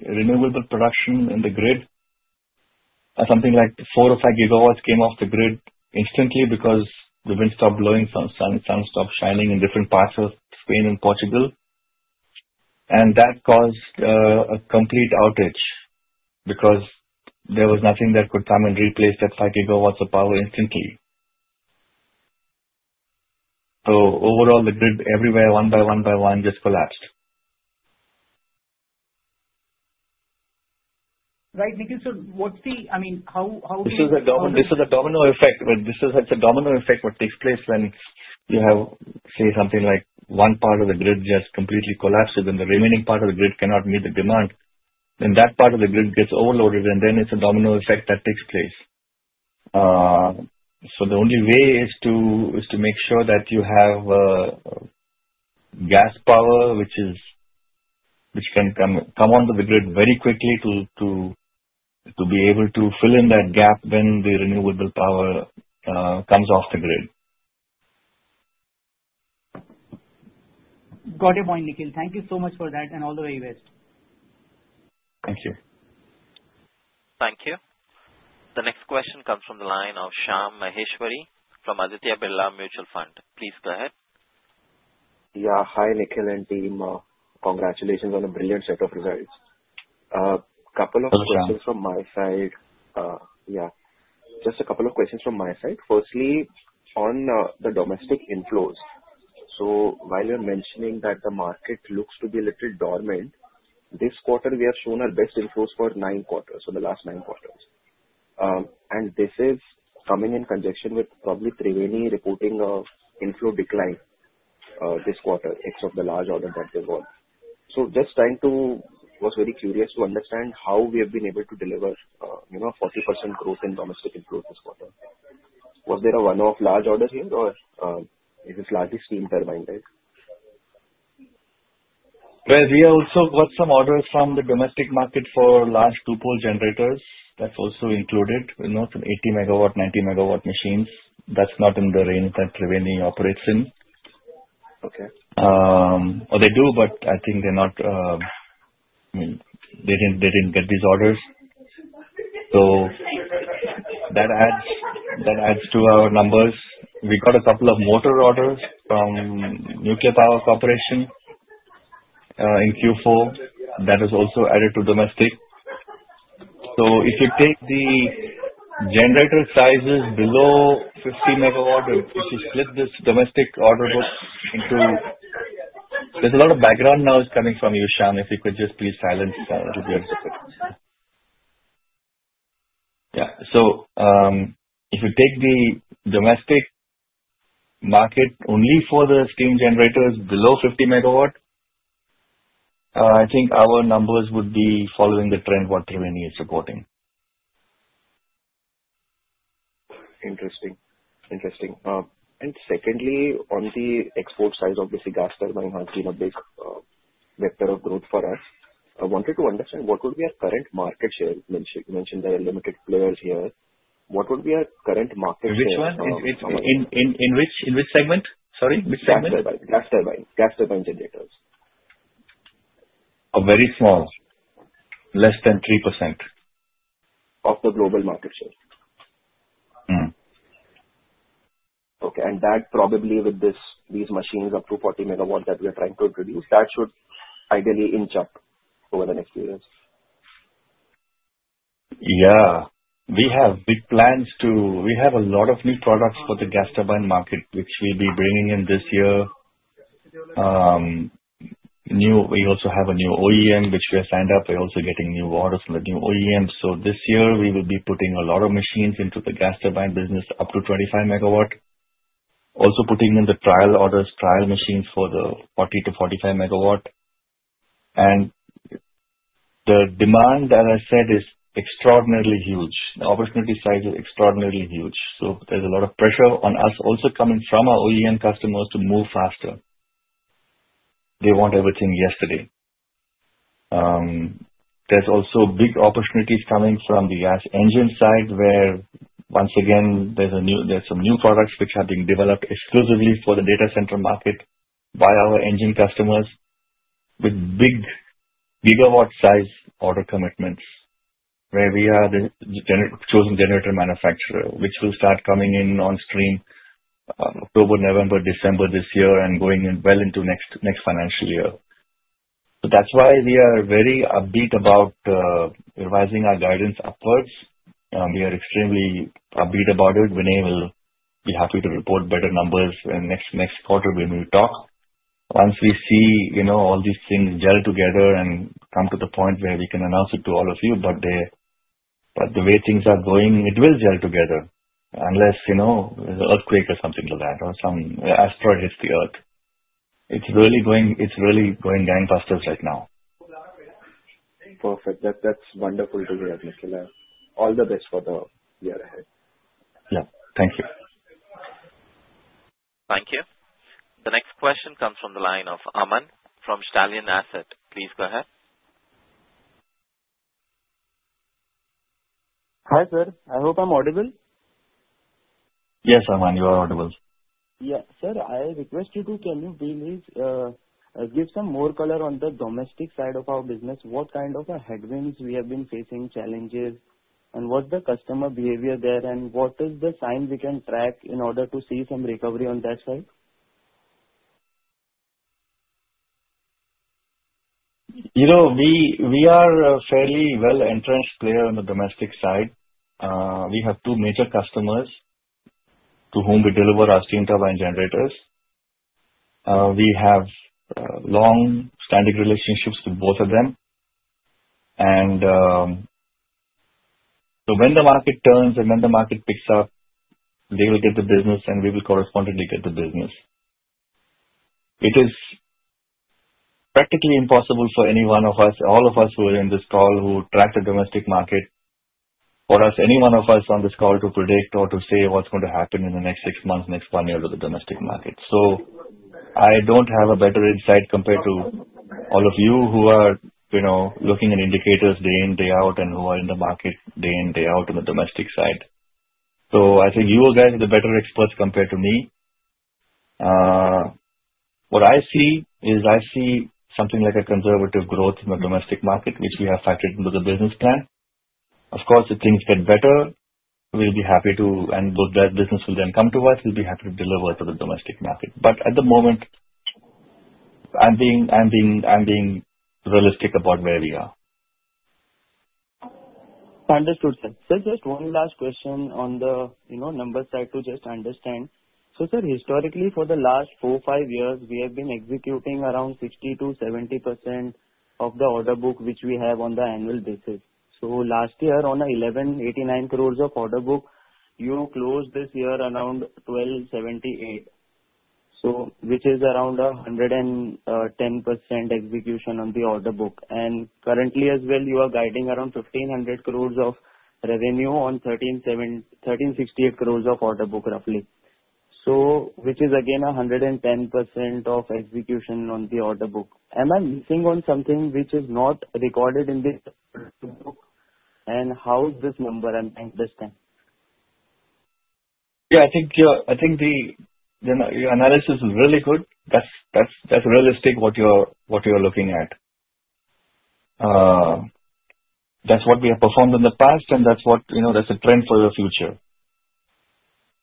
Speaker 2: renewable production in the grid. Something like four or five gigawatts came off the grid instantly because the wind stopped blowing, sun stopped shining in different parts of Spain and Portugal. That caused a complete outage because there was nothing that could come and replace that five gigawatts of power instantly. Overall the grid everywhere, one by one by one, just collapsed.
Speaker 12: Right. Nikhil, what's the? How do you?
Speaker 2: This is a domino effect. This is such a domino effect that takes place when you have, say something like one part of the grid just completely collapses, the remaining part of the grid cannot meet the demand, that part of the grid gets overloaded, it's a domino effect that takes place. The only way is to make sure that you have gas power, which can come onto the grid very quickly to be able to fill in that gap when the renewable power comes off the grid.
Speaker 12: Got your point, Nikhil. Thank you so much for that, all the very best.
Speaker 2: Thank you.
Speaker 1: Thank you. The next question comes from the line of Shyam Maheshwari from Aditya Birla Sun Life Mutual Fund. Please go ahead.
Speaker 13: Hi, Nikhil and team. Congratulations on a brilliant set of results.
Speaker 2: Hello, Shyam.
Speaker 13: Just a couple of questions from my side. Firstly, on the domestic inflows. While you're mentioning that the market looks to be a little dormant, this quarter we have shown our best inflows for nine quarters, the last nine quarters. This is coming in conjunction with probably Triveni Turbine Ltd reporting an inflow decline this quarter, except the large order that they got. Was very curious to understand how we have been able to deliver 40% growth in domestic inflows this quarter. Was there a one-off large order here or is it largely steam turbine, right?
Speaker 2: Well, we also got some orders from the domestic market for large two-pole generators. That is also included. Some 80 MW, 90 MW machines. That is not in the range that Triveni operates in.
Speaker 13: Okay.
Speaker 2: They do, but I think they didn't get these orders. That adds to our numbers. We got a couple of motor orders from Nuclear Power Corporation, in Q4. That is also added to domestic. If you take the generator sizes below 50 MW, or if you split this domestic order book into There is a lot of background noise coming from you, Shyam. If you could just please silence it, that would be appreciated. Yeah. If you take the domestic market only for the steam generators below 50 MW, I think our numbers would be following the trend what Triveni is reporting.
Speaker 13: Interesting. Secondly, on the export side, obviously gas turbine has been a big vector of growth for us. I wanted to understand what would be our current market share. You mentioned there are limited players here. What would be our current market share.
Speaker 2: In which one? In which segment? Sorry, which segment?
Speaker 13: Gas turbine generators.
Speaker 2: Very small. Less than 3%.
Speaker 13: Of the global market share? Okay. That probably with these machines of 240 MW that we're trying to introduce, that should ideally inch up over the next few years.
Speaker 2: Yeah. We have big plans. We have a lot of new products for the gas turbine market, which we'll be bringing in this year. We also have a new OEM, which we have signed up. We're also getting new orders from the new OEM. This year, we will be putting a lot of machines into the gas turbine business up to 25 megawatt. Also putting in the trial orders, trial machines for the 40-45 megawatt. The demand that I said is extraordinarily huge. The opportunity size is extraordinarily huge. There's a lot of pressure on us also coming from our OEM customers to move faster. They want everything yesterday. There's also big opportunities coming from the gas engine side, where once again, there's some new products which are being developed exclusively for the data center market by our engine customers with big gigawatt size order commitments, where we are the chosen generator manufacturer, which will start coming in onstream October, November, December this year and going well into next financial year. That's why we are very upbeat about revising our guidance upwards. We are extremely upbeat about it. Vinay will be happy to report better numbers when next quarter we will talk. Once we see all these things gel together and come to the point where we can announce it to all of you. The way things are going, it will gel together. Unless the earthquake or something like that, or some asteroid hits the Earth. It's really going gangbusters right now.
Speaker 13: Perfect. That's wonderful to hear, Nikhil. All the best for the year ahead.
Speaker 2: Yeah. Thank you.
Speaker 1: Thank you. Italian Asset. Please go ahead.
Speaker 14: Hi, sir. I hope I'm audible.
Speaker 2: Yes, Aman, you are audible.
Speaker 14: Yeah. Sir, I request you, can you please give some more color on the domestic side of our business, what kind of headwinds we have been facing, challenges, and what the customer behavior there, and what is the sign we can track in order to see some recovery on that side?
Speaker 2: We are a fairly well-entrenched player on the domestic side. We have two major customers to whom we deliver our steam turbine generators. We have longstanding relationships with both of them. When the market turns and when the market picks up, they will get the business and we will correspondingly get the business. It is practically impossible for any one of us, all of us who are in this call who track the domestic market, for us, any one of us on this call to predict or to say what's going to happen in the next six months, next one year with the domestic market. I don't have a better insight compared to all of you who are looking at indicators day in, day out and who are in the market day in, day out on the domestic side. I think you guys are the better experts compared to me. What I see is I see something like a conservative growth in the domestic market, which we have factored into the business plan. Of course, if things get better, we'll be happy to, and that business will then come to us, we'll be happy to deliver to the domestic market. At the moment, I'm being realistic about where we are.
Speaker 14: Understood, sir. Sir, just one last question on the number side to just understand. Sir, historically, for the last four, five years, we have been executing around 60%-70% of the order book, which we have on the annual basis. Last year on 1,189 crores of order book, you closed this year around 1,278. Which is around 110% execution on the order book. Currently as well, you are guiding around 1,500 crores of revenue on 1,368 crores of order book, roughly. Which is again 110% of execution on the order book. Am I missing on something which is not recorded in this book and how is this number and understand?
Speaker 2: I think your analysis is really good. That's realistic what you're looking at. That's what we have performed in the past, and that's a trend for the future.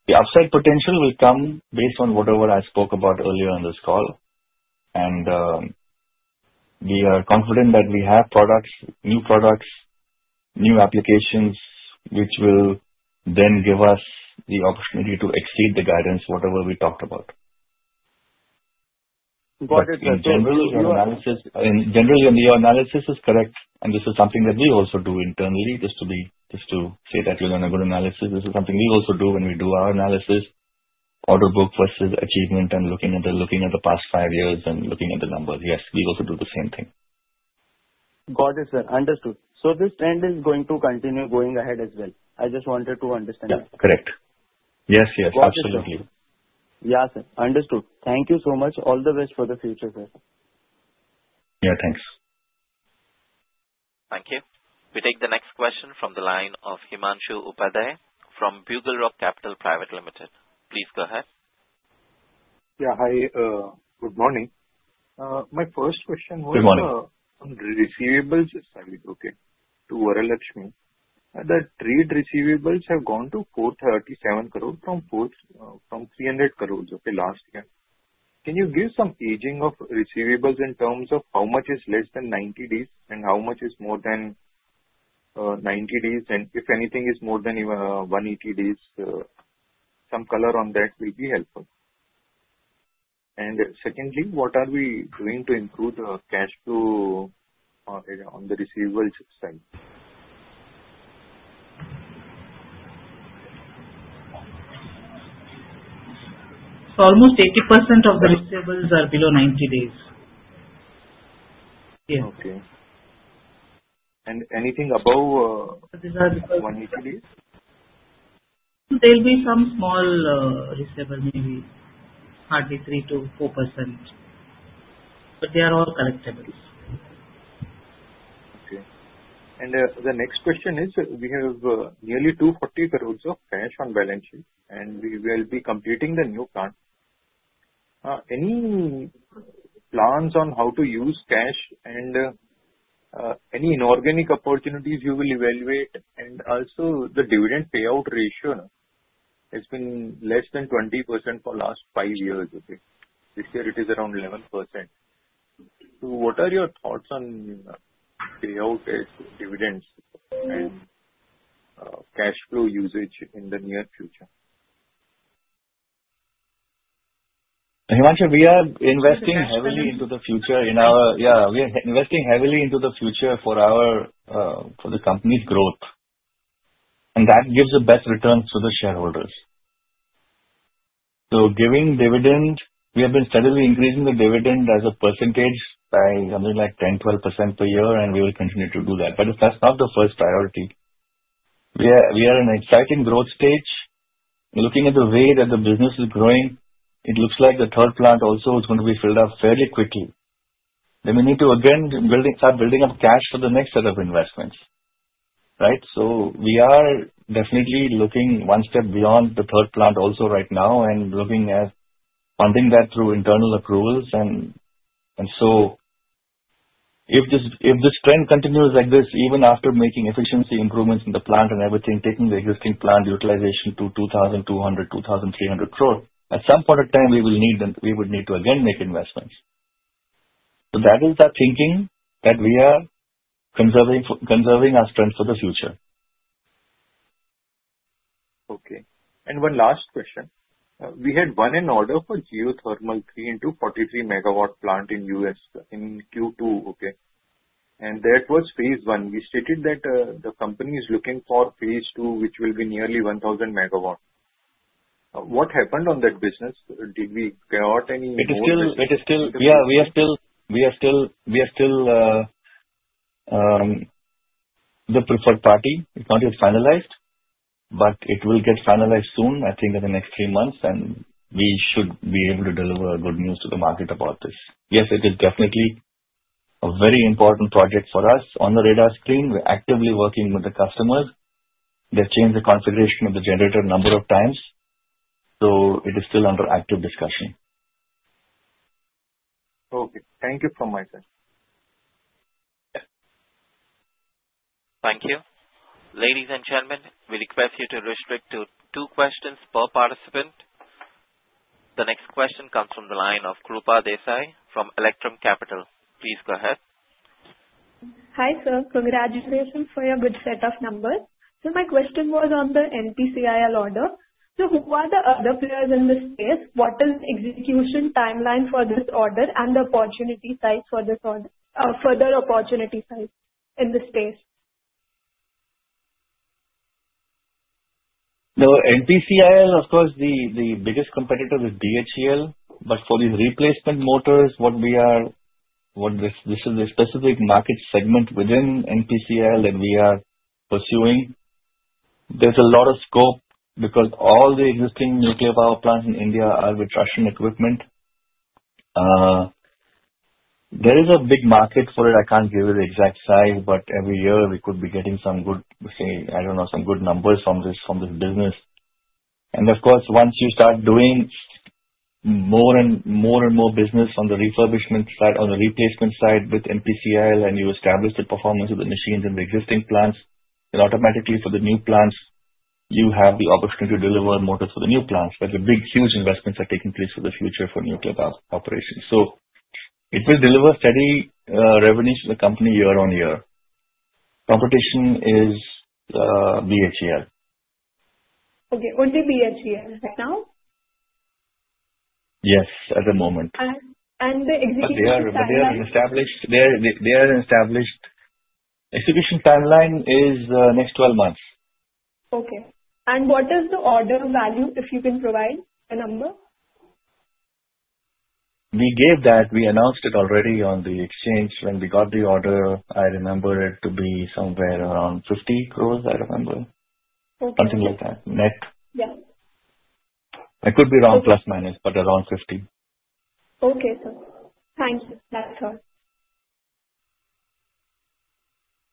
Speaker 2: The upside potential will come based on whatever I spoke about earlier on this call. We are confident that we have products, new products, new applications, which will then give us the opportunity to exceed the guidance, whatever we talked about.
Speaker 14: Got it, sir.
Speaker 2: In general, your analysis is correct, and this is something that we also do internally just to say that you're on a good analysis. This is something we also do when we do our analysis. Order book versus achievement and looking at the past five years and looking at the numbers. Yes, we also do the same thing.
Speaker 14: Got it, sir. Understood. This trend is going to continue going ahead as well. I just wanted to understand.
Speaker 2: Yeah. Correct. Yes, absolutely.
Speaker 14: Yeah, sir. Understood. Thank you so much. All the best for the future, sir.
Speaker 2: Yeah, thanks.
Speaker 1: Thank you. We take the next question from the line of Himanshu Upadhyay from BugleRock Capital Private Limited. Please go ahead.
Speaker 15: Yeah, hi. Good morning.
Speaker 2: Good morning.
Speaker 15: My first question was on receivables. I will go to Varalakshmi. The trade receivables have gone to 437 crore from 300 crore of the last year. Can you give some aging of receivables in terms of how much is less than 90 days and how much is more than 90 days? If anything is more than 180 days, some color on that will be helpful. Secondly, what are we doing to improve the cash flow on the receivables side?
Speaker 3: Almost 80% of the receivables are below 90 days. Yes.
Speaker 15: Okay. Anything above 180 days?
Speaker 3: There'll be some small receivable, maybe hardly 3%-4%. They are all collectables.
Speaker 15: Okay. The next question is, we have nearly 240 crore of cash on balance sheet, we will be completing the new plant. Any plans on how to use cash and any inorganic opportunities you will evaluate? Also the dividend payout ratio has been less than 20% for the last 5 years. This year it is around 11%. What are your thoughts on payout as dividends and cash flow usage in the near future?
Speaker 2: Himanshu, we are investing heavily into the future for the company's growth, that gives the best returns to the shareholders. Giving dividend, we have been steadily increasing the dividend as a percentage by something like 10%, 12% per year, we will continue to do that. That's not the first priority. We are in an exciting growth stage. Looking at the way that the business is growing, it looks like the third plant also is going to be filled up fairly quickly. We need to again start building up cash for the next set of investments. We are definitely looking one step beyond the third plant also right now and looking at funding that through internal approvals. If the strength continues like this, even after making efficiency improvements in the plant and everything, taking the existing plant utilization to 2,200 crore-2,300 crore, at some point in time we would need to again make investments. That is our thinking, that we are conserving our strength for the future.
Speaker 15: Okay. One last question. We had won an order for geothermal three into 43 megawatt plant in U.S. in Q2, okay? That was phase 1. We stated that the company is looking for phase 2, which will be nearly 1,000 megawatts. What happened on that business? Did we get any more-
Speaker 2: We are still the preferred party. It's not yet finalized, it will get finalized soon, I think in the next three months, we should be able to deliver good news to the market about this. Yes, it is definitely a very important project for us. On the radar screen, we're actively working with the customers. They've changed the configuration of the generator number of times. It is still under active discussion.
Speaker 15: Okay. Thank you from my side.
Speaker 1: Thank you. Ladies and gentlemen, we request you to restrict to two questions per participant. The next question comes from the line of Krupa Desai from Electrum Capital. Please go ahead.
Speaker 16: Hi, sir. Congratulations for your good set of numbers. My question was on the NPCIL order. Who are the other players in this space? What is execution timeline for this order and the opportunity size for this order, further opportunity size in this space?
Speaker 2: NPCIL, of course, the biggest competitor is BHEL. For these replacement motors, this is a specific market segment within NPCIL that we are pursuing. There's a lot of scope because all the existing nuclear power plants in India are with Russian equipment. There is a big market for it. I can't give you the exact size, but every year we could be getting some good numbers from this business. Of course, once you start doing more and more business on the refurbishment side, on the replacement side with NPCIL, and you establish the performance of the machines in the existing plants, then automatically for the new plants, you have the opportunity to deliver motors for the new plants. The big, huge investments are taking place for the future for nuclear power operations. It will deliver steady revenue to the company year on year. Competition is BHEL.
Speaker 16: Okay, only BHEL right now?
Speaker 2: Yes, at the moment.
Speaker 16: The execution timeline?
Speaker 2: Execution timeline is next 12 months.
Speaker 16: Okay. What is the order value, if you can provide a number?
Speaker 2: We gave that. We announced it already on the exchange when we got the order. I remember it to be somewhere around 50 crores, I remember.
Speaker 16: Okay.
Speaker 2: Something like that, net.
Speaker 16: Yeah.
Speaker 2: I could be wrong, plus, minus, but around 50 crores.
Speaker 16: Okay, sir. Thank you. That's all.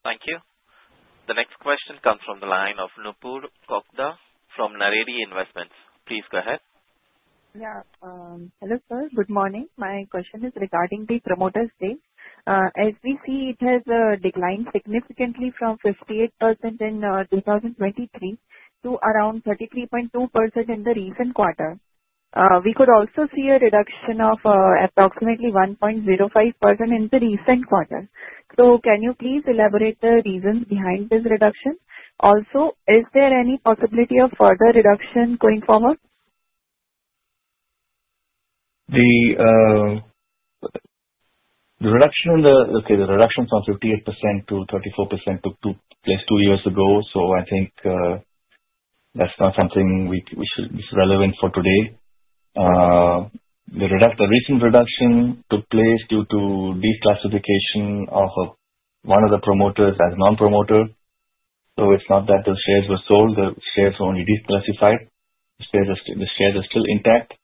Speaker 1: Thank you. The next question comes from the line of Nupur Kokta from Naredi Investments. Please go ahead.
Speaker 17: Yeah. Hello, sir. Good morning. My question is regarding the promoter stake. As we see, it has declined significantly from 58% in 2023 to around 33.2% in the recent quarter. We could also see a reduction of approximately 1.05% in the recent quarter. Can you please elaborate the reasons behind this reduction? Also, is there any possibility of further reduction going forward?
Speaker 2: The reduction from 58% to 34% took place two years ago, I think that's not something which is relevant for today. The recent reduction took place due to declassification of one of the promoters as non-promoter. It's not that the shares were sold, the shares were only declassified. The shares are still intact.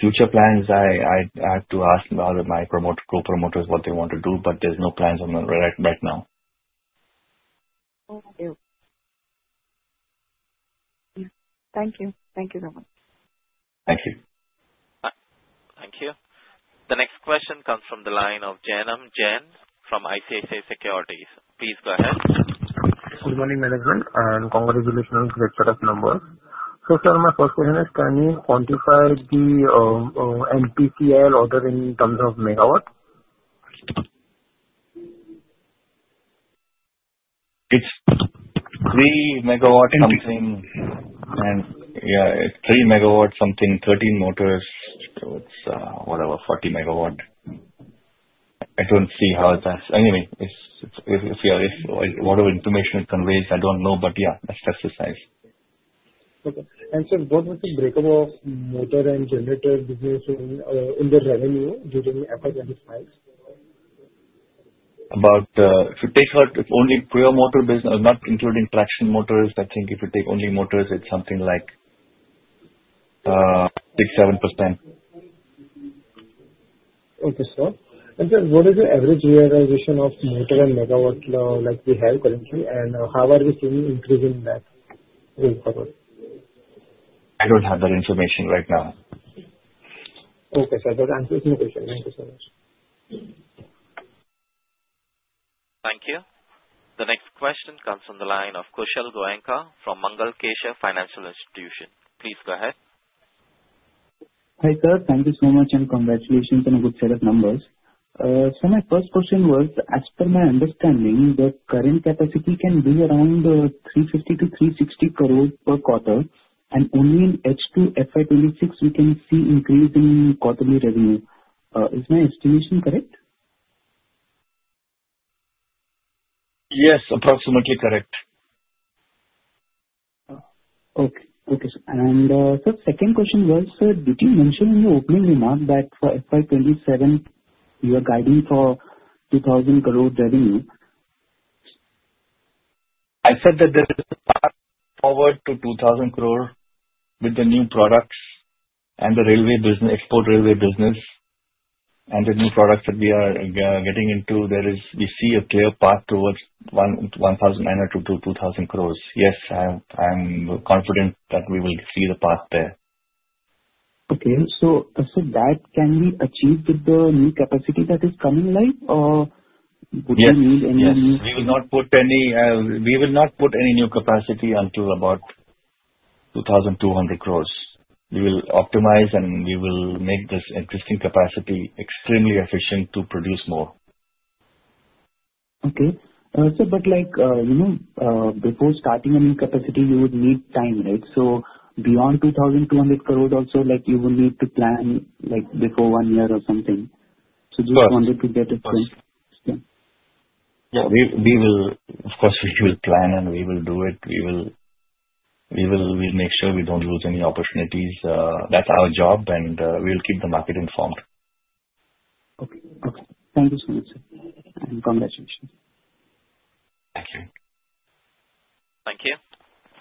Speaker 2: Future plans, I have to ask my co-promoters what they want to do, but there's no plans right now.
Speaker 17: Okay. Thank you. Thank you very much.
Speaker 2: Thank you.
Speaker 1: Thank you. The next question comes from the line of Janam Jan from ICICI Securities. Please go ahead.
Speaker 18: Good morning, management, and congratulations on the set of numbers. Sir, my first question is, can you quantify the NPCIL order in terms of megawatts?
Speaker 2: It's 3 MW something. 13 motors. It's whatever, 40 MW. What information it conveys, I don't know, but yeah, that's the size.
Speaker 18: Sir, what was the breakup of motor and generator business in the revenue during FY 2025?
Speaker 2: If you take out only pure motor business, not including traction motors, I think if you take only motors, it's something like 6%, 7%.
Speaker 18: Sir, what is the average utilization of motor and megawatt like we have currently? How are we seeing increase in that going forward?
Speaker 2: I don't have that information right now.
Speaker 18: Okay, sir. That answers my question. Thank you so much.
Speaker 1: Thank you. The next question comes from the line of Kushal Goenka from Mangal Keshav Financial Services. Please go ahead.
Speaker 6: Hi, sir. Thank you so much, and congratulations on a good set of numbers. Sir, my first question was, as per my understanding, the current capacity can be around 350-360 crores per quarter, and only in H2 FY 2026 we can see increase in quarterly revenue. Is my estimation correct?
Speaker 2: Yes, approximately correct.
Speaker 6: Okay, sir. Sir, second question was, sir, did you mention in your opening remark that for FY 2027 you are guiding for 2,000 crore revenue?
Speaker 2: I said that there is a path forward to 2,000 crore with the new products and the export railway business. The new products that we are getting into, we see a clear path towards 1,900 crore-2,000 crore. Yes, I am confident that we will see the path there.
Speaker 6: Okay. That can be achieved with the new capacity that is coming live or would you need any new?
Speaker 2: Yes, we will not put any new capacity until about 2,200 crore. We will optimize, and we will make this existing capacity extremely efficient to produce more.
Speaker 6: Okay. Sir, before starting a new capacity, you would need time, right? Beyond 2,200 crore also, you will need to plan before one year or something. Just wanted to get a clue.
Speaker 2: Yes. Of course, we will plan and we will do it. We'll make sure we don't lose any opportunities. That's our job, and we'll keep the market informed.
Speaker 6: Okay. Thank you so much, sir. Congratulations.
Speaker 2: Thank you.
Speaker 1: Thank you.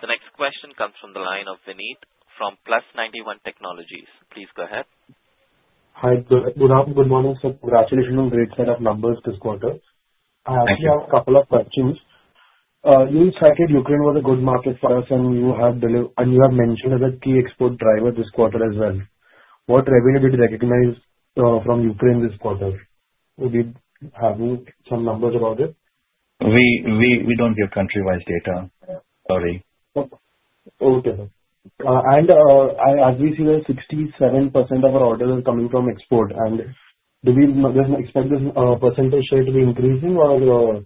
Speaker 1: The next question comes from the line of Vineet from Plus91 Technologies. Please go ahead.
Speaker 19: Hi, Nikhil. Good morning, sir. Congratulations on great set of numbers this quarter.
Speaker 2: Thank you.
Speaker 19: I actually have a couple of questions. You stated Ukraine was a good market for us, and you have mentioned as a key export driver this quarter as well. What revenue did you recognize from Ukraine this quarter? Would we have some numbers about it?
Speaker 2: We don't give country-wise data. Sorry.
Speaker 19: Okay, sir. As we see that 67% of our orders are coming from export, do we expect this percentage share to be increasing or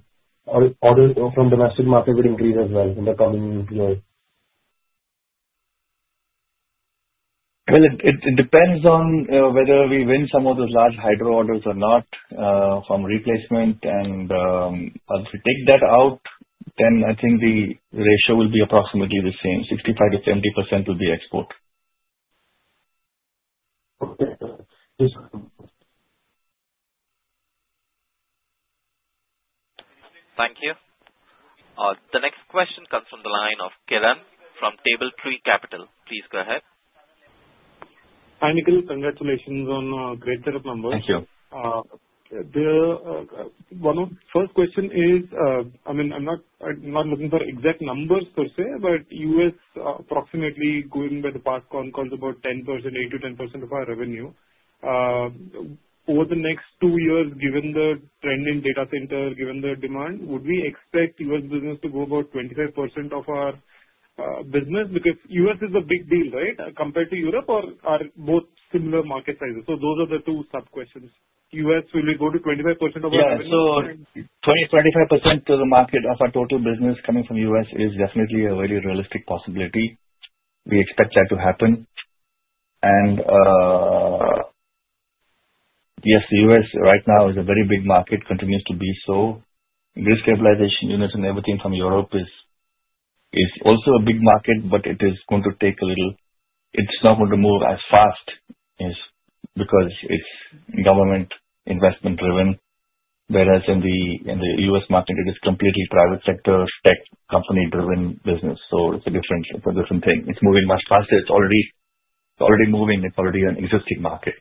Speaker 19: orders from domestic market would increase as well in the coming years?
Speaker 2: Well, it depends on whether we win some of those large hydro orders or not from replacement. If we take that out, I think the ratio will be approximately the same. 65%-70% will be export.
Speaker 19: Okay, sir. Thanks.
Speaker 1: Thank you. The next question comes from the line of Kiran from Treeline Capital. Please go ahead.
Speaker 20: Hi, Nikhil. Congratulations on a great set of numbers.
Speaker 2: Thank you.
Speaker 20: First question is, I'm not looking for exact numbers per se, but U.S. approximately going by the past concalls about 8%-10% of our revenue. Over the next two years, given the trend in data center, given the demand, would we expect U.S. business to go about 25% of our business? Because U.S. is a big deal, right, compared to Europe? Or are both similar market sizes? So those are the two sub-questions. U.S., will it go to 25% of our business?
Speaker 2: Yeah. 20% to 25% of the market of our total business coming from U.S. is definitely a very realistic possibility. We expect that to happen. Yes, the U.S. right now is a very big market, continues to be so. Recapitalization units and everything from Europe is also a big market, but it is not going to move as fast because it is government investment driven. Whereas in the U.S. market, it is completely private sector, tech company driven business. It is a different thing. It is moving much faster. It is already moving. It is already an existing market.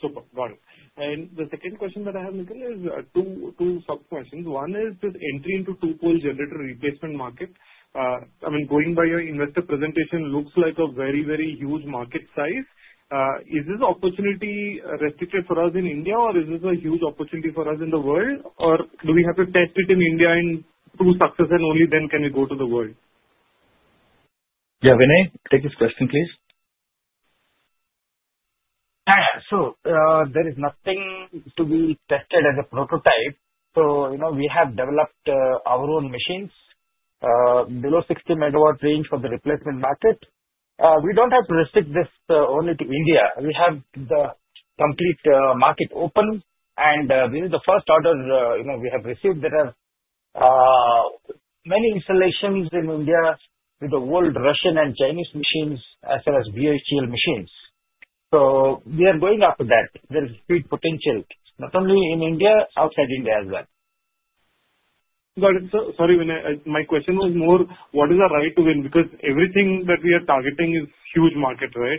Speaker 20: Super. Got it. The second question that I have, Nikhil, is two sub-questions. One is this entry into two-pole generator replacement market. Going by your investor presentation, looks like a very, very huge market size. Is this opportunity restricted for us in India, or is this a huge opportunity for us in the world? Or do we have to test it in India and prove success and only then can we go to the world?
Speaker 2: Yeah, Vinay, take this question, please.
Speaker 8: Yeah. There is nothing to be tested as a prototype. We have developed our own machines below 60-megawatt range for the replacement market. We don't have to restrict this only to India. We have the complete market open. This is the first order we have received. There are many installations in India with the old Russian and Chinese machines, as well as BHEL machines. We are going after that. There is big potential, not only in India, outside India as well.
Speaker 20: Got it. Sorry, Vinay, my question was more, what is the right to win? Everything that we are targeting is huge market, right?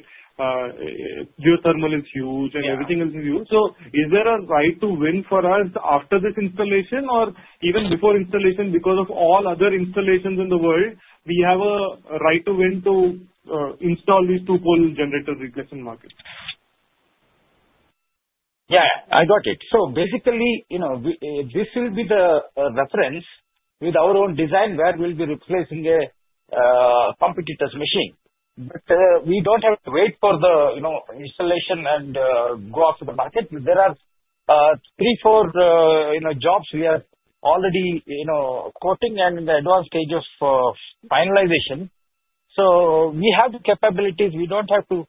Speaker 20: Geothermal is huge-
Speaker 8: Yeah
Speaker 20: Everything else is huge. Is there a right to win for us after this installation or even before installation because of all other installations in the world, we have a right to win to install these two-pole generator replacement markets?
Speaker 8: Yeah, I got it. Basically, this will be the reference with our own design where we'll be replacing a competitor's machine. We don't have to wait for the installation and go after the market. There are three, four jobs we are already quoting and in the advanced stage of finalization. We have the capabilities. We don't have to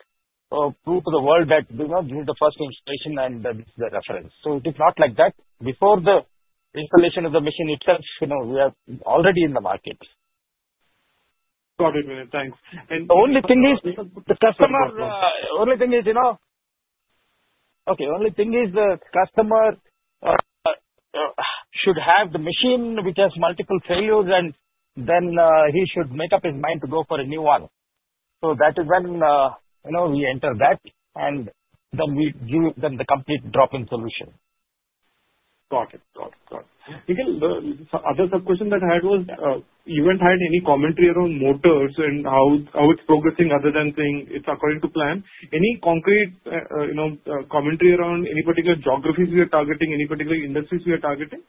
Speaker 8: prove to the world that we need the first installation and that this is the reference. It is not like that. Before the installation of the machine itself, we are already in the market.
Speaker 20: Got it, Vinay. Thanks.
Speaker 8: The only thing is, the customer should have the machine which has multiple failures and then he should make up his mind to go for a new one. That is when we enter that and then we give them the complete drop-in solution.
Speaker 20: Got it. Nikhil, the other sub-question that I had was, you hadn't had any commentary around motors and how it's progressing other than saying it's according to plan. Any concrete commentary around any particular geographies you are targeting, any particular industries we are targeting?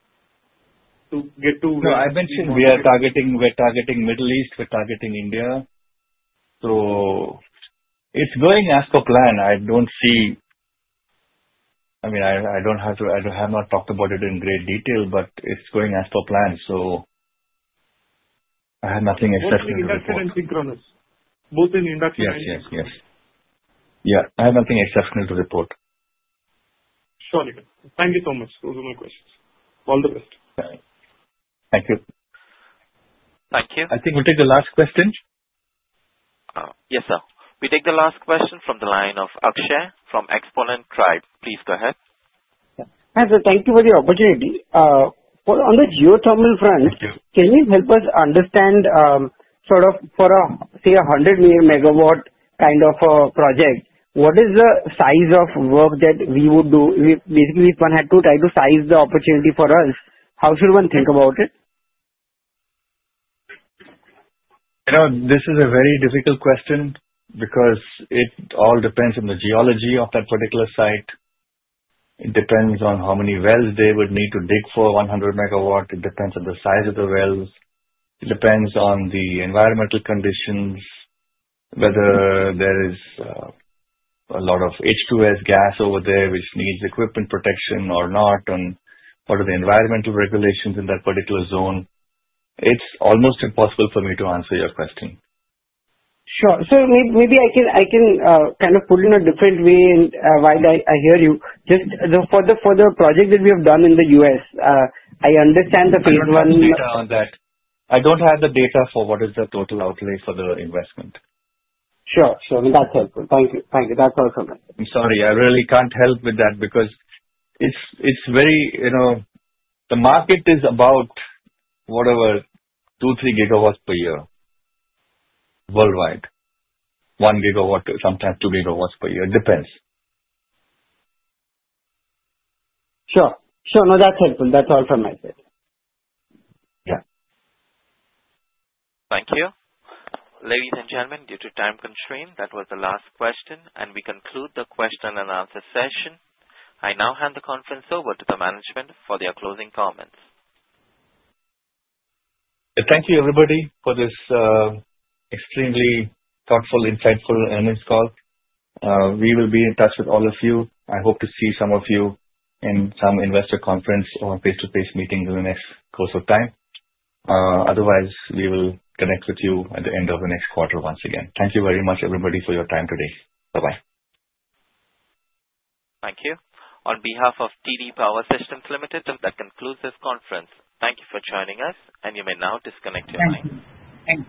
Speaker 2: No, I mentioned we are targeting Middle East, we're targeting India. It's going as per plan. I have not talked about it in great detail, but it's going as per plan. I have nothing exceptional to report.
Speaker 20: Both in induction and synchronous? Both in induction and synchronous.
Speaker 2: Yes. Yeah, I have nothing exceptional to report.
Speaker 20: Sure, Nikhil. Thank you so much. Those were my questions. All the best.
Speaker 2: Thanks. Thank you. Thank you. I think we'll take the last question.
Speaker 1: Yes, sir. We take the last question from the line of Akshay from Exponent Tribes. Please go ahead.
Speaker 21: Yeah. Hi, sir. Thank you for the opportunity.
Speaker 2: Thank you.
Speaker 21: On the geothermal front, can you help us understand, for say, a 100 megawatt kind of a project, what is the size of work that we would do? Basically, if one had to try to size the opportunity for us, how should one think about it?
Speaker 2: This is a very difficult question because it all depends on the geology of that particular site. It depends on how many wells they would need to dig for 100 megawatt. It depends on the size of the wells. It depends on the environmental conditions, whether there is a lot of H2S gas over there, which needs equipment protection or not, and what are the environmental regulations in that particular zone. It is almost impossible for me to answer your question.
Speaker 21: Sure. Maybe I can put it in a different way while I hear you. Just for the project that we have done in the U.S., I understand the phase 1.
Speaker 2: I don't have the data on that. I don't have the data for what is the total outlay for the investment.
Speaker 21: Sure. That's helpful. Thank you. That's all from me.
Speaker 2: I'm sorry. I really can't help with that because the market is about two, three gigawatts per year worldwide. One gigawatt, sometimes two gigawatts per year. It depends.
Speaker 21: Sure. No, that's helpful. That's all from my side.
Speaker 2: Yeah.
Speaker 1: Thank you. Ladies and gentlemen, due to time constraint, that was the last question, and we conclude the question and answer session. I now hand the conference over to the management for their closing comments.
Speaker 2: Thank you, everybody, for this extremely thoughtful, insightful earnings call. We will be in touch with all of you. I hope to see some of you in some investor conference or face-to-face meetings in the next course of time. Otherwise, we will connect with you at the end of the next quarter once again. Thank you very much, everybody, for your time today. Bye-bye.
Speaker 1: Thank you. On behalf of TD Power Systems Limited, that concludes this conference. Thank you for joining us, and you may now disconnect your line.
Speaker 21: Thank you.